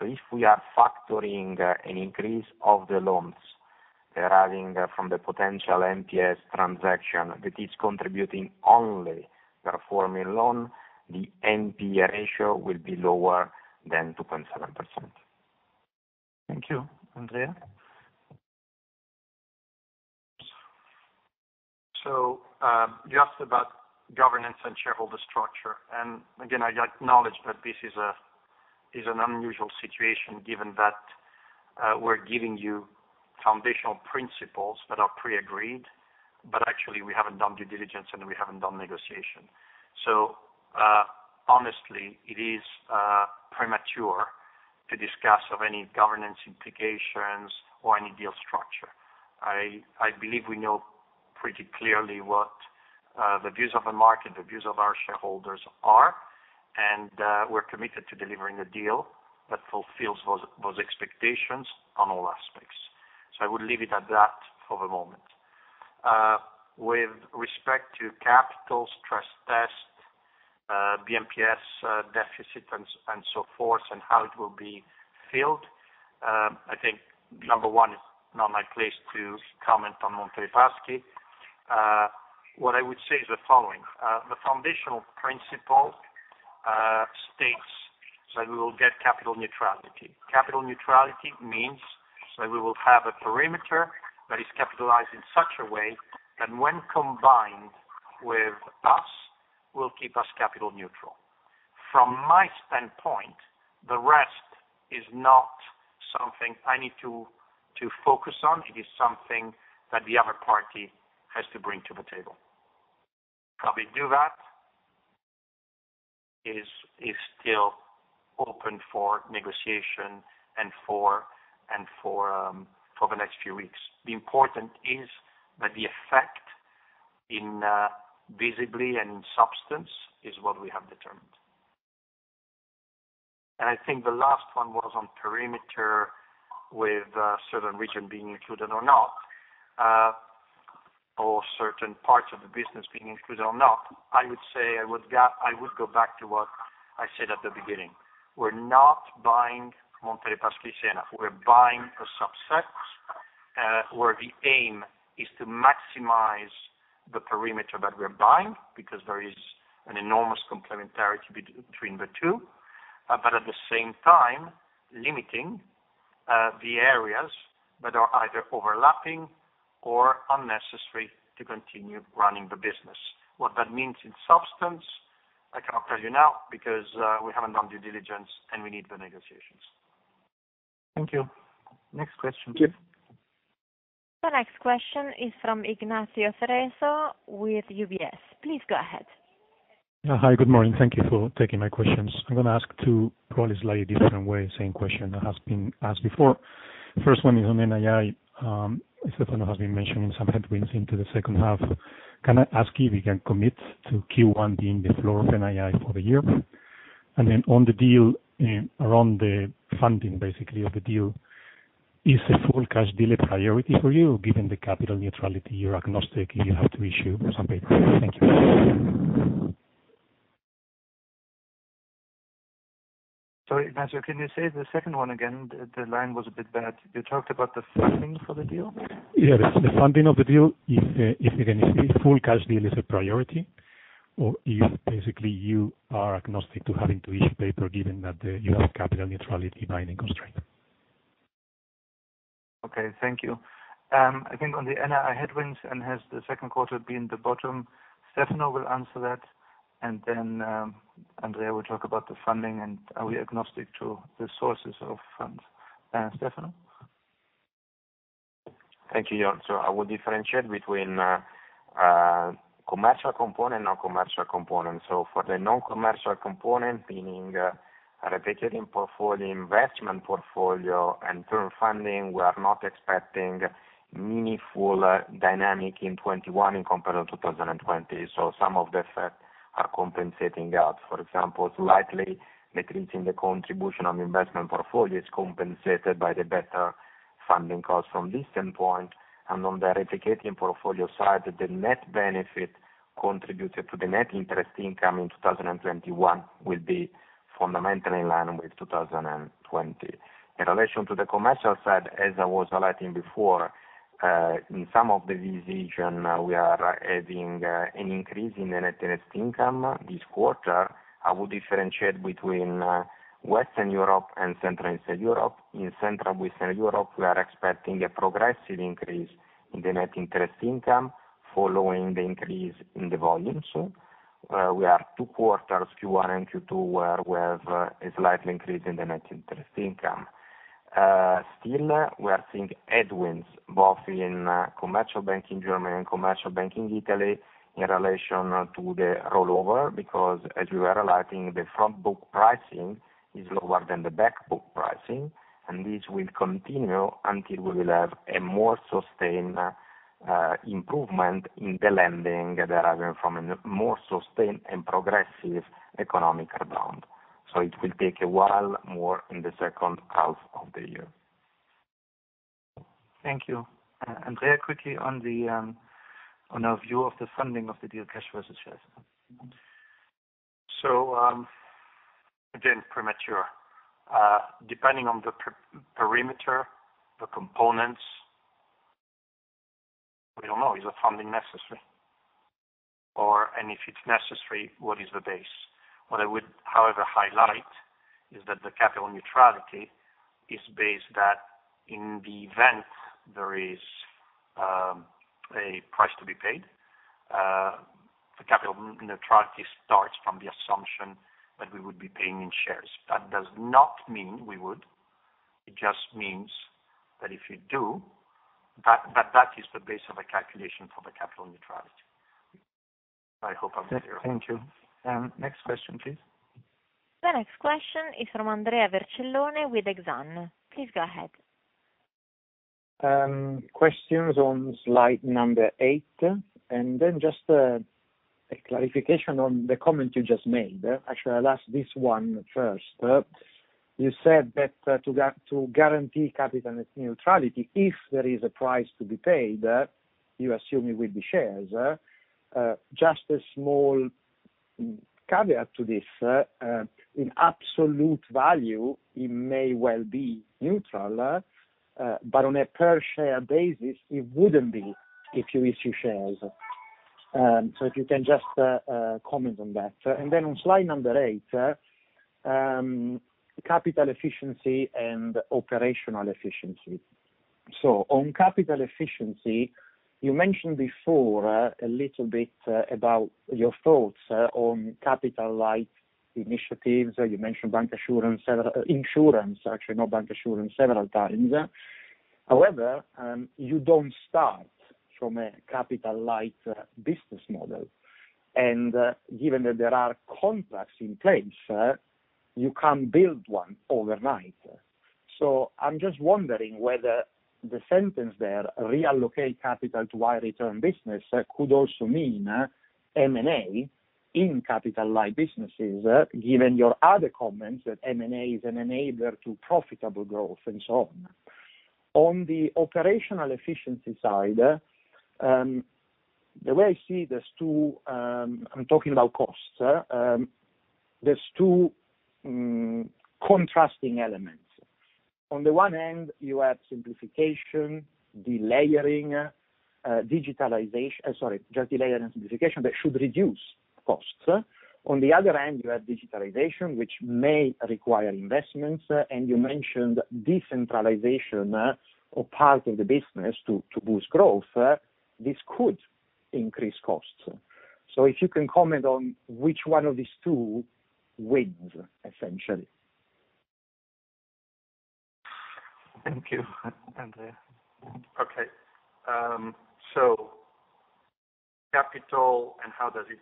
If we are factoring an increase of the loans deriving from the potential MPS transaction that is contributing only performing loan, the NPE ratio will be lower than 2.7%. Thank you. Andrea? Just about governance and shareholder structure, and again, I acknowledge that this is an unusual situation given that we're giving you foundational principles that are pre-agreed, but actually we haven't done due diligence, and we haven't done negotiation. Honestly, it is premature to discuss of any governance implications or any deal structure. I believe we know pretty clearly what the views of the market, the views of our shareholders are, and we're committed to delivering a deal that fulfills those expectations on all aspects. I would leave it at that for the moment. With respect to capital stress test, BMPS deficit and so forth, and how it will be filled, I think number 1, it's not my place to comment on Monte dei Paschi. What I would say is the following, the foundational principle states that we will get capital neutrality. Capital neutrality means that we will have a perimeter that is capitalized in such a way that when combined with us, will keep us capital neutral. From my standpoint, the rest is not something I need to focus on. It is something that the other party has to bring to the table. How they do that is still open for negotiation and for the next few weeks. The important is that the effect in visibly and in substance is what we have determined. I think the last one was on perimeter with a certain region being included or not, or certain parts of the business being included or not. I would go back to what I said at the beginning. We're not buying Monte dei Paschi di Siena. We're buying a subset, where the aim is to maximize the perimeter that we're buying because there is an enormous complementarity between the two. At the same time limiting the areas that are either overlapping or unnecessary to continue running the business. What that means in substance, I cannot tell you now because we haven't done due diligence, and we need the negotiations. Thank you. Next question please. The next question is from Ignacio Cerezo with UBS. Please go ahead. Yeah. Hi, good morning. Thank you for taking my questions. I'm going to ask two probably slightly different way, same question that has been asked before. First one is on NII. Stefano has been mentioning some headwinds into the second half. Can I ask you if you can commit to Q1 being the floor of NII for the year? On the deal, around the funding basically of the deal, is a full cash deal a priority for you given the capital neutrality, you're agnostic, you have to issue some paper. Thank you. Sorry, Ignacio, can you say the second one again? The line was a bit bad. You talked about the funding for the deal? Yeah. The funding of the deal. If you can explain, full cash deal is a priority or if basically you are agnostic to having to issue paper given that you have capital neutrality binding constraint? Okay. Thank you. I think on the NII headwinds and has the second quarter been the bottom, Stefano will answer that, and then Andrea will talk about the funding and are we agnostic to the sources of funds. Stefano? Thank you, Jörg. I will differentiate between commercial component, non-commercial component. For the non-commercial component, meaning a replicating portfolio, investment portfolio, and term funding, we are not expecting meaningful dynamic in 2021 in comparison to 2020. Some of the effects are compensating out. For example, slightly decreasing the contribution on investment portfolio is compensated by the better funding cost from this standpoint. On the replicating portfolio side, the net benefit contributed to the net interest income in 2021 will be fundamentally in line with 2020. In relation to the commercial side, as I was highlighting before, in some of the decision, we are having an increase in the net interest income this quarter. I would differentiate between Western Europe and Central and Eastern Europe. In Central and Western Europe, we are expecting a progressive increase in the net interest income following the increase in the volumes. We are two quarters, Q1 and Q2, where we have a slight increase in the net interest income. Still, we are seeing headwinds, both in Commercial Banking Germany and Commercial Banking Italy, in relation to the rollover, because as we were highlighting, the front book pricing is lower than the back book pricing, and this will continue until we will have a more sustained improvement in the lending deriving from a more sustained and progressive economic rebound. It will take a while, more in the second half of the year. Thank you. Andrea, quickly on a view of the funding of the deal, cash versus shares. Again, premature. Depending on the perimeter, the components, we don't know, is the funding necessary? If it's necessary, what is the base? What I would, however, highlight is that the capital neutrality is based that in the event there is a price to be paid, the capital neutrality starts from the assumption that we would be paying in shares. That does not mean we would. It just means that if we do, that that is the base of a calculation for the capital neutrality. I hope I'm clear. Thank you. Next question, please. The next question is from Andrea Vercellone with Exane. Please go ahead. Questions on slide 8, just a clarification on the comment you just made. Actually, I'll ask this one first. You said that to guarantee capital neutrality, if there is a price to be paid, you assume it will be shares. Just a small caveat to this. In absolute value, it may well be neutral, on a per share basis, it wouldn't be if you issue shares. If you can just comment on that. On slide 8, capital efficiency and operational efficiency. On capital efficiency, you mentioned before a little bit about your thoughts on capital light initiatives. You mentioned bancassurance, insurance, actually, not bancassurance, several times. However, you don't start from a capital light business model. Given that there are contracts in place, you can't build one overnight. I'm just wondering whether the sentence there, reallocate capital to high return business, could also mean M&A in capital light businesses, given your other comments that M&A is an enabler to profitable growth and so on. On the operational efficiency side, the way I see this too, I'm talking about costs. There's two contrasting elements. On the one hand, you have just delayering and simplification, that should reduce costs. On the other hand, you have digitalization, which may require investments, and you mentioned decentralization of parts of the business to boost growth. This could increase costs. If you can comment on which one of these two wins, essentially. Thank you, Andrea. Okay. Capital and how does it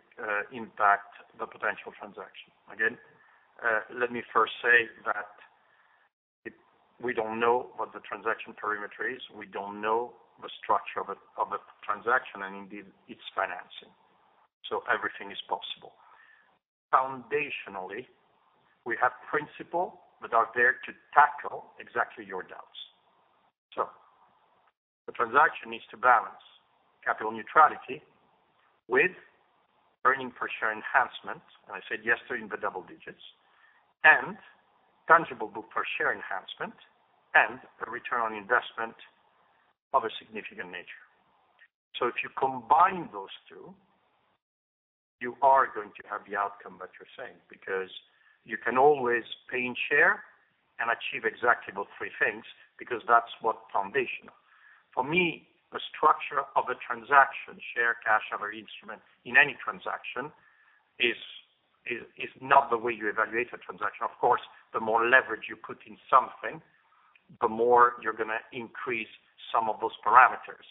impact the potential transaction? Again, let me first say that we don't know what the transaction perimeter is. We don't know the structure of a transaction and indeed, its financing. Everything is possible. Foundationally, we have principles that are there to tackle exactly your doubts. The transaction needs to balance capital neutrality with earning per share enhancement, and I said yesterday in the double digits, and tangible book value per share enhancement, and a return on investment of a significant nature. If you combine those two, you are going to have the outcome that you're saying, because you can always pay in share and achieve exactly those three things, because that's what foundational. For me, the structure of a transaction, share, cash, other instruments, in any transaction, is not the way you evaluate a transaction. Of course, the more leverage you put in something, the more you're going to increase some of those parameters.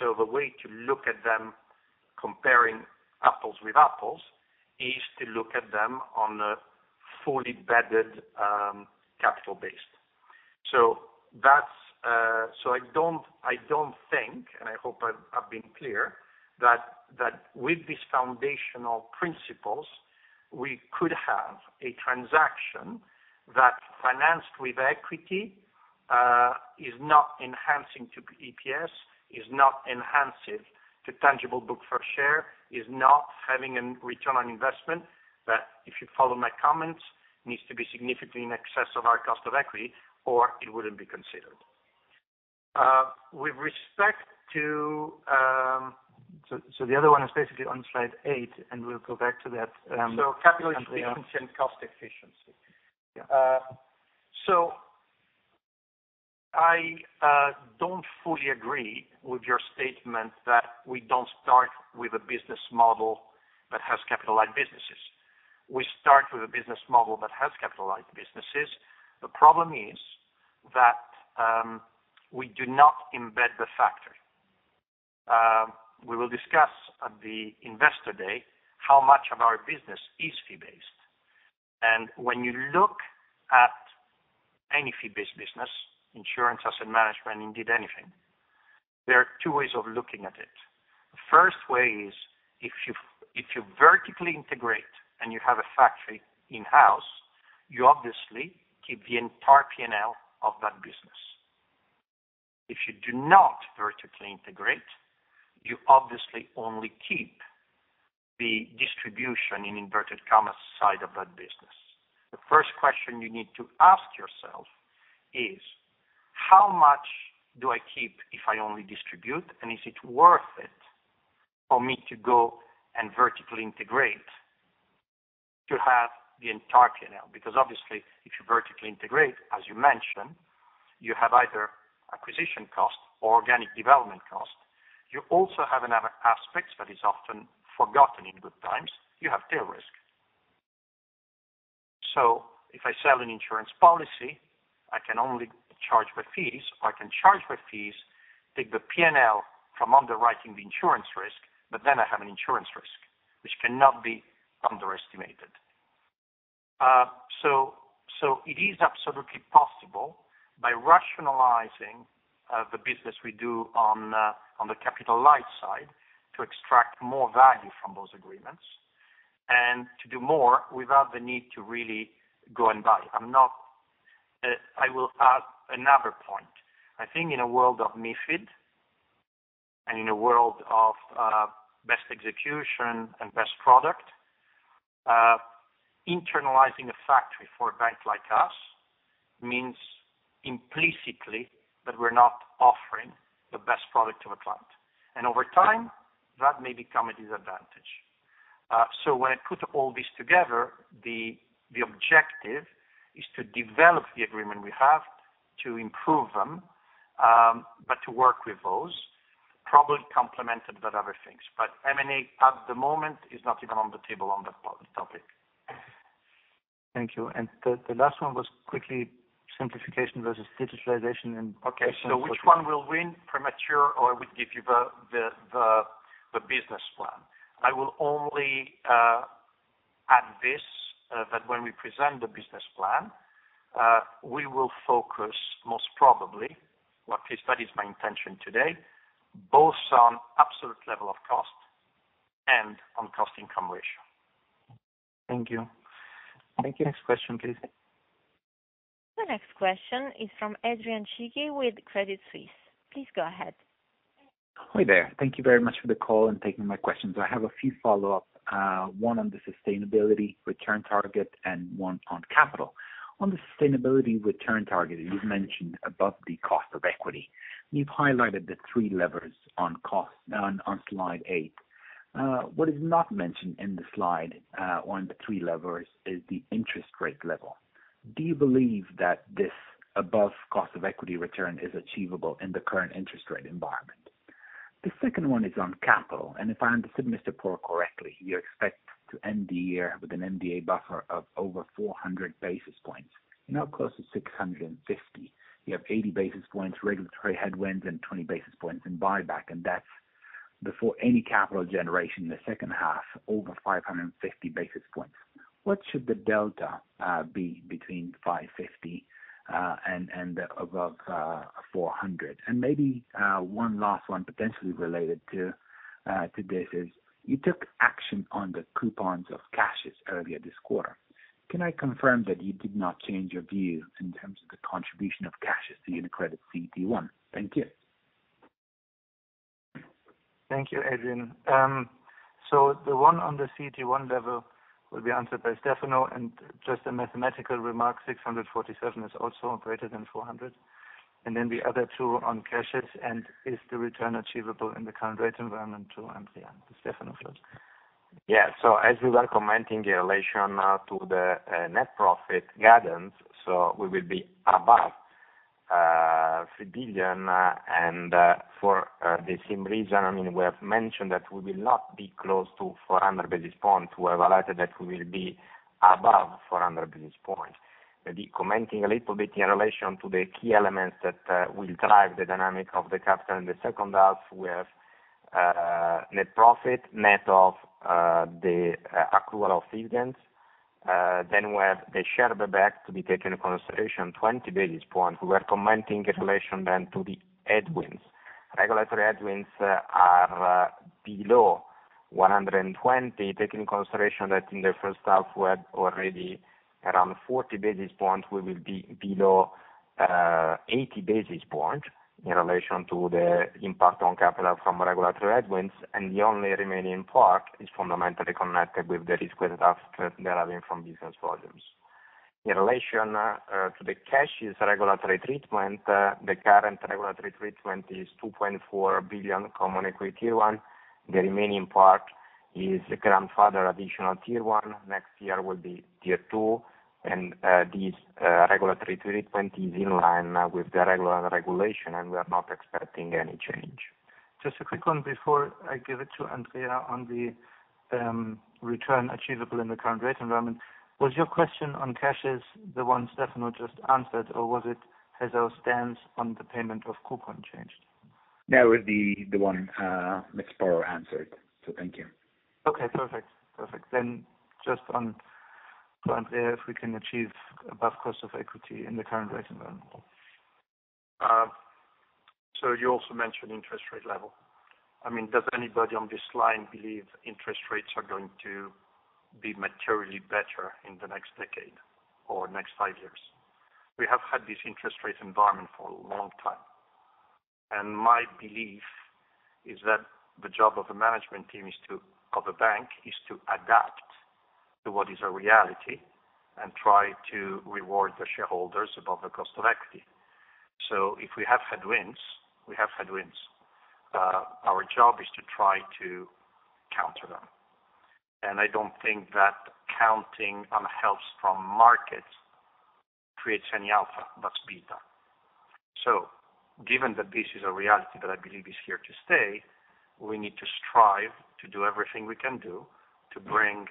The way to look at them, comparing apples with apples, is to look at them on a fully bedded capital base. I don't think, and I hope I've been clear, that with these foundational principles, we could have a transaction that financed with equity, is not enhancing to EPS, is not enhancing to tangible book for share, is not having a return on investment, that if you follow my comments, needs to be significantly in excess of our cost of equity, or it wouldn't be considered. The other one is basically on slide 8, and we'll go back to that. Capital efficiency and cost efficiency. Yeah. I don't fully agree with your statement that we don't start with a business model that has capital light businesses. We start with a business model that has capitalized businesses. The problem is that we do not embed the factory. We will discuss at the investor day how much of our business is fee based. When you look at any fee-based business, insurance, asset management, indeed anything, there are two ways of looking at it. The first way is if you vertically integrate and you have a factory in-house, you obviously keep the entire P&L of that business. If you do not vertically integrate, you obviously only keep the distribution in inverted commas side of that business. The first question you need to ask yourself is, how much do I keep if I only distribute, and is it worth it for me to go and vertically integrate to have the entire P&L? Obviously, if you vertically integrate, as you mentioned, you have either acquisition cost or organic development cost. You also have another aspect that is often forgotten in good times. You have tail risk. If I sell an insurance policy, I can only charge my fees, or I can charge my fees, take the P&L from underwriting the insurance risk, but then I have an insurance risk, which cannot be underestimated. It is absolutely possible by rationalizing the business we do on the capital light side to extract more value from those agreements and to do more without the need to really go and buy. I will add another point. I think in a world of MiFID and in a world of best execution and best product, internalizing a factory for a bank like us means implicitly that we're not offering the best product to a client. Over time, that may become a disadvantage. When I put all this together, the objective is to develop the agreement we have, to improve them, but to work with those, probably complemented with other things. M&A at the moment is not even on the table on that topic. Thank you. The last one was quickly simplification versus digitalization. Okay. Which one will win premature, or I would give you the business plan. I will only add this, that when we present the business plan, we will focus most probably, at least that is my intention today, both on absolute level of cost and on cost income ratio. Thank you. Next question, please. The next question is from Azzurra Guelfi with Credit Suisse. Please go ahead. Hi there. Thank you very much for the call and taking my questions. I have a few follow-ups, one on the sustainability return target and one on capital. On the sustainability return target, you've mentioned above the cost of equity. You've highlighted the 3 levers on cost on slide 8. What is not mentioned in the slide on the 3 levers is the interest rate level. Do you believe that this above cost of equity return is achievable in the current interest rate environment? The second one is on capital. If I understood Mr. Porro correctly, you expect to end the year with an MDA buffer of over 400 basis points, now close to 650. You have 80 basis points regulatory headwinds and 20 basis points in buyback, and that's before any capital generation in the second half, over 550 basis points. What should the delta be between 550 and above 400? Maybe one last one potentially related to this is, you took action on the coupons of CASHES earlier this quarter. Can I confirm that you did not change your view in terms of the contribution of CASHES to UniCredit CET1? Thank you. Thank you, Adrian. The one on the CET1 level will be answered by Stefano. Just a mathematical remark, 647 is also greater than 400. The other two on CASHES and is the return achievable in the current rate environment too, and Stefano. As we were commenting in relation to the net profit guidance, so we will be above 3 billion. For the same reason, we have mentioned that we will not be close to 400 basis points. We have highlighted that we will be above 400 basis points. Maybe commenting a little bit in relation to the key elements that will drive the dynamic of the capital in the second half, we have net profit, net of the accrual of dividends. We have the share buyback to be taken in consideration, 20 basis points. We were commenting in relation then to the headwinds. Regulatory headwinds are below 120, take in consideration that in the first half, we had already around 40 basis points. We will be below 80 basis points in relation to the impact on capital from regulatory headwinds. The only remaining part is fundamentally connected with the risk-weighted assets deriving from business volumes. In relation to the CASHES regulatory treatment, the current regulatory treatment is 2.4 billion Common Equity Tier 1. The remaining part is grandfather additional Tier 1. Next year will be Tier 2. This regulatory treatment is in line with the regular regulation. We are not expecting any change. Just a quick one before I give it to Andrea on the return achievable in the current rate environment. Was your question on CASHES the one Stefano just answered, or was it has our stance on the payment of coupon changed? No, it was the one Mr. Porro answered. Thank you. Okay, perfect. Just on to Andrea, if we can achieve above cost of equity in the current rate environment. You also mentioned interest rate level. Does anybody on this line believe interest rates are going to be materially better in the next decade or next five years? We have had this interest rate environment for a long time, and my belief is that the job of a management team of a bank is to adapt to what is a reality and try to reward the shareholders above the cost of equity. If we have headwinds, we have headwinds. Our job is to try to counter them. I don't think that counting on helps from markets creates any alpha, that's beta. Given that this is a reality that I believe is here to stay, we need to strive to do everything we can do to bring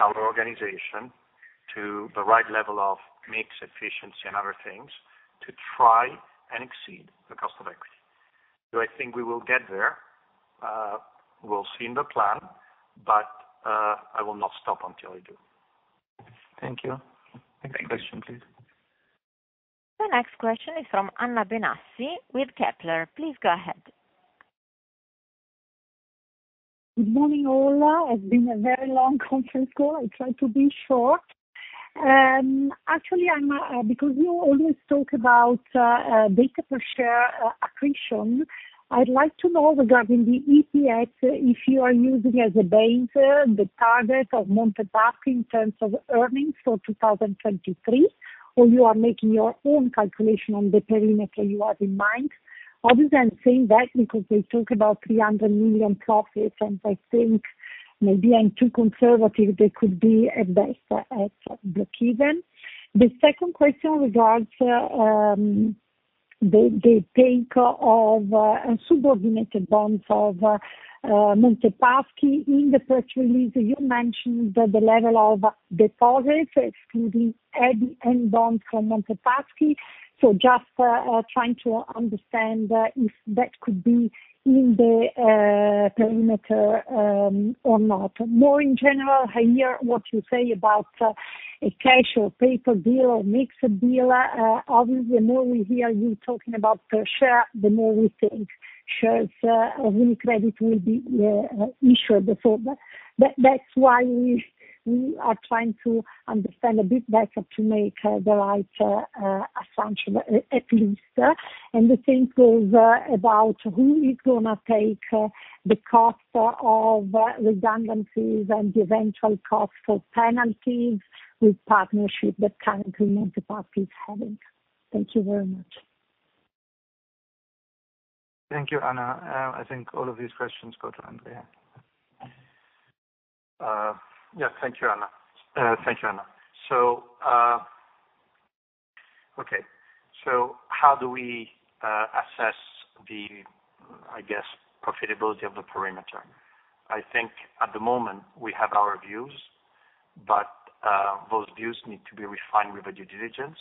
our organization to the right level of mix, efficiency, and other things to try and exceed the cost of equity. Do I think we will get there? We'll see in the plan, but, I will not stop until I do. Thank you. Next question, please. The next question is from Anna Benassi with Kepler. Please go ahead. Good morning, all. It's been a very long conference call. I'll try to be short. Because you always talk about DTA per share accretion, I'd like to know regarding the EPS, if you are using as a base the target of Monte Paschi in terms of earnings for 2023, or you are making your own calculation on the perimeter you have in mind. Obviously, I'm saying that because they talk about 300 million profits, and I think maybe I'm too conservative, they could be at best at breakeven. The second question regards the take of subordinated bonds of Monte Paschi. In the press release, you mentioned that the level of deposits excluding any end bonds from Monte Paschi. Just trying to understand if that could be in the perimeter or not. In general, I hear what you say about a cash or paper deal or mix deal. Obviously, the more we hear you talking about per share, the more we think shares of UniCredit will be issued. So that's why we are trying to understand a bit better to make the right assumption, at least. The thing is about who is going to take the cost of redundancies and the eventual cost of penalties with partnership that currently Monte Paschi is having. Thank you very much. Thank you, Anna. I think all of these questions go to Andrea. Yes. Thank you, Anna. How do we assess the profitability of the perimeter? I think at the moment we have our views, but those views need to be refined with due diligence.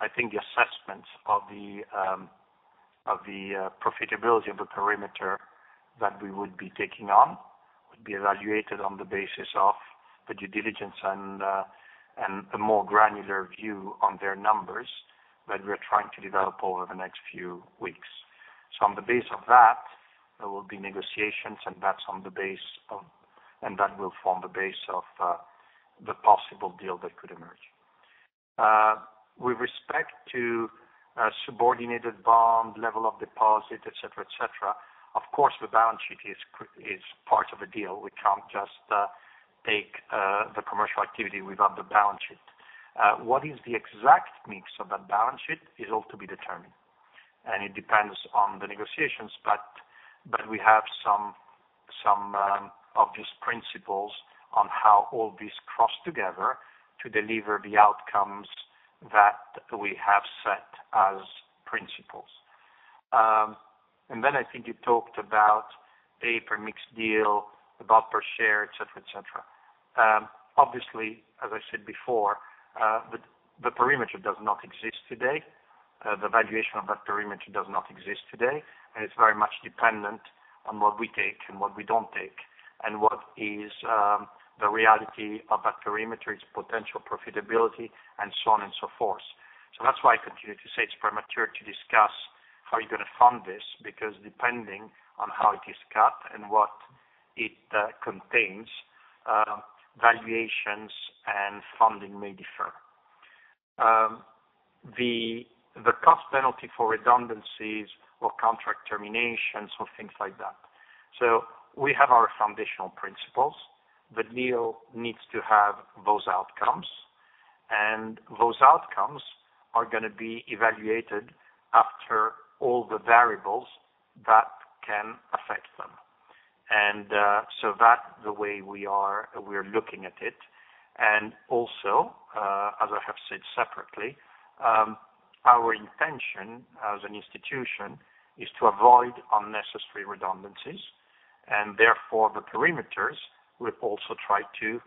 I think the assessments of the profitability of the perimeter that we would be taking on, would be evaluated on the basis of the due diligence and the more granular view on their numbers that we're trying to develop over the next few weeks. On the base of that, there will be negotiations, and that will form the base of the possible deal that could emerge. With respect to subordinated bond, level of deposit, et cetera. Of course, the balance sheet is part of a deal. We can't just take the commercial activity without the balance sheet. What is the exact mix of that balance sheet is all to be determined, and it depends on the negotiations, but we have some obvious principles on how all these cross together to deliver the outcomes that we have set as principles. Then I think you talked about paper mix deal about per share, et cetera. Obviously, as I said before, the perimeter does not exist today. The valuation of that perimeter does not exist today. It's very much dependent on what we take and what we don't take, and what is the reality of that perimeter, its potential profitability, and so on and so forth. That's why I continue to say it's premature to discuss how you're going to fund this, because depending on how it is cut and what it contains, valuations and funding may differ. The cost penalty for redundancies or contract terminations or things like that. We have our foundational principles. The deal needs to have those outcomes, and those outcomes are going to be evaluated after all the variables that can affect. That the way we're looking at it. As I have said separately, our intention as an institution is to avoid unnecessary redundancies, and therefore the perimeters will also try to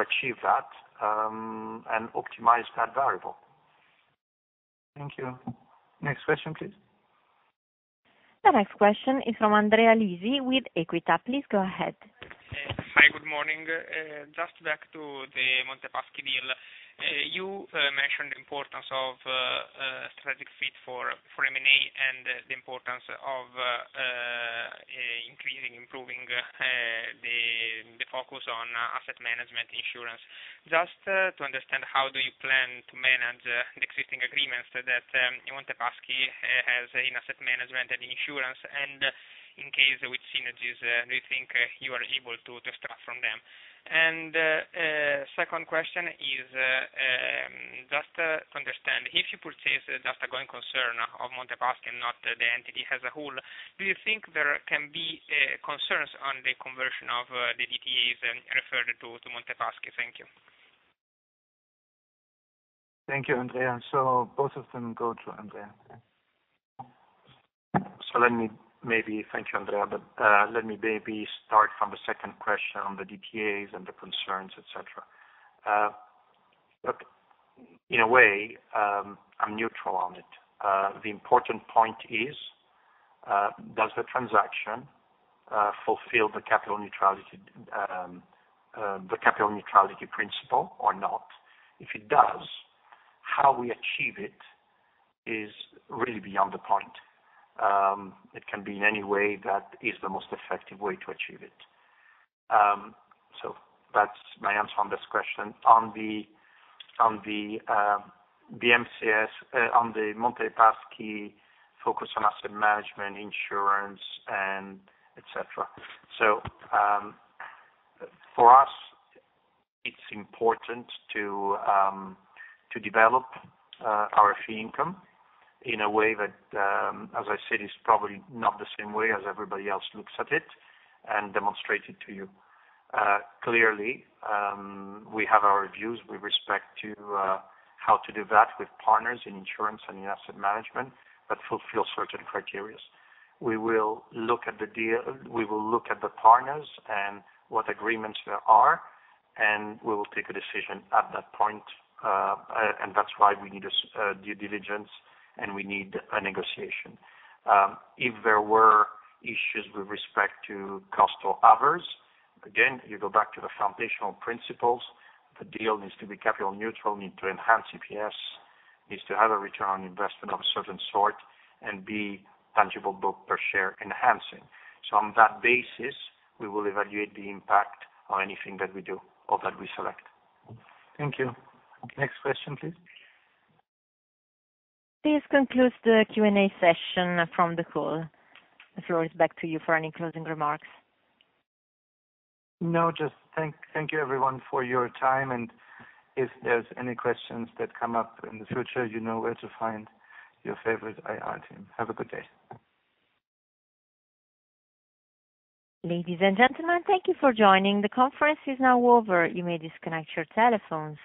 achieve that, and optimize that variable. Thank you. Next question, please. The next question is from Andrea Lisi with Equita. Please go ahead. Hi, good morning. Just back to the Monte Paschi deal. You mentioned the importance of a strategic fit for M&A and the importance of increasing, improving the focus on asset management insurance. Just to understand, how do you plan to manage the existing agreements that Monte Paschi has in asset management and insurance and in case with synergies, do you think you are able to extract from them? Second question is, just to understand, if you purchase just a going concern of Monte Paschi and not the entity as a whole, do you think there can be concerns on the conversion of the DTAs referred to Monte Paschi? Thank you. Thank you, Andrea. Both of them go to Andrea. Let me maybe Thank you, Andrea, but let me maybe start from the 2nd question on the DTAs and the concerns, et cetera. Look, in a way, I'm neutral on it. The important point is, does the transaction fulfill the capital neutrality principle or not? If it does, how we achieve it is really beyond the point. It can be in any way that is the most effective way to achieve it. That's my answer on this question. On the Monte Paschi focus on asset management, insurance, and et cetera. For us, it's important to develop our fee income in a way that, as I said, is probably not the same way as everybody else looks at it and demonstrate it to you. Clearly, we have our views with respect to how to do that with partners in insurance and in asset management that fulfill certain criteria. We will look at the partners and what agreements there are, and we will take a decision at that point. That's why we need a due diligence, and we need a negotiation. If there were issues with respect to cost or others, again, you go back to the foundational principles. The deal needs to be capital neutral, need to enhance EPS, needs to have a return on investment of a certain sort and be tangible book per share enhancing. On that basis, we will evaluate the impact on anything that we do or that we select. Thank you. Next question, please. This concludes the Q&A session from the call. The floor is back to you for any closing remarks. No, just thank you everyone for your time. If there's any questions that come up in the future, you know where to find your favorite IR team. Have a good day. Ladies and gentlemen, thank you for joining. The conference is now over. You may disconnect your telephones.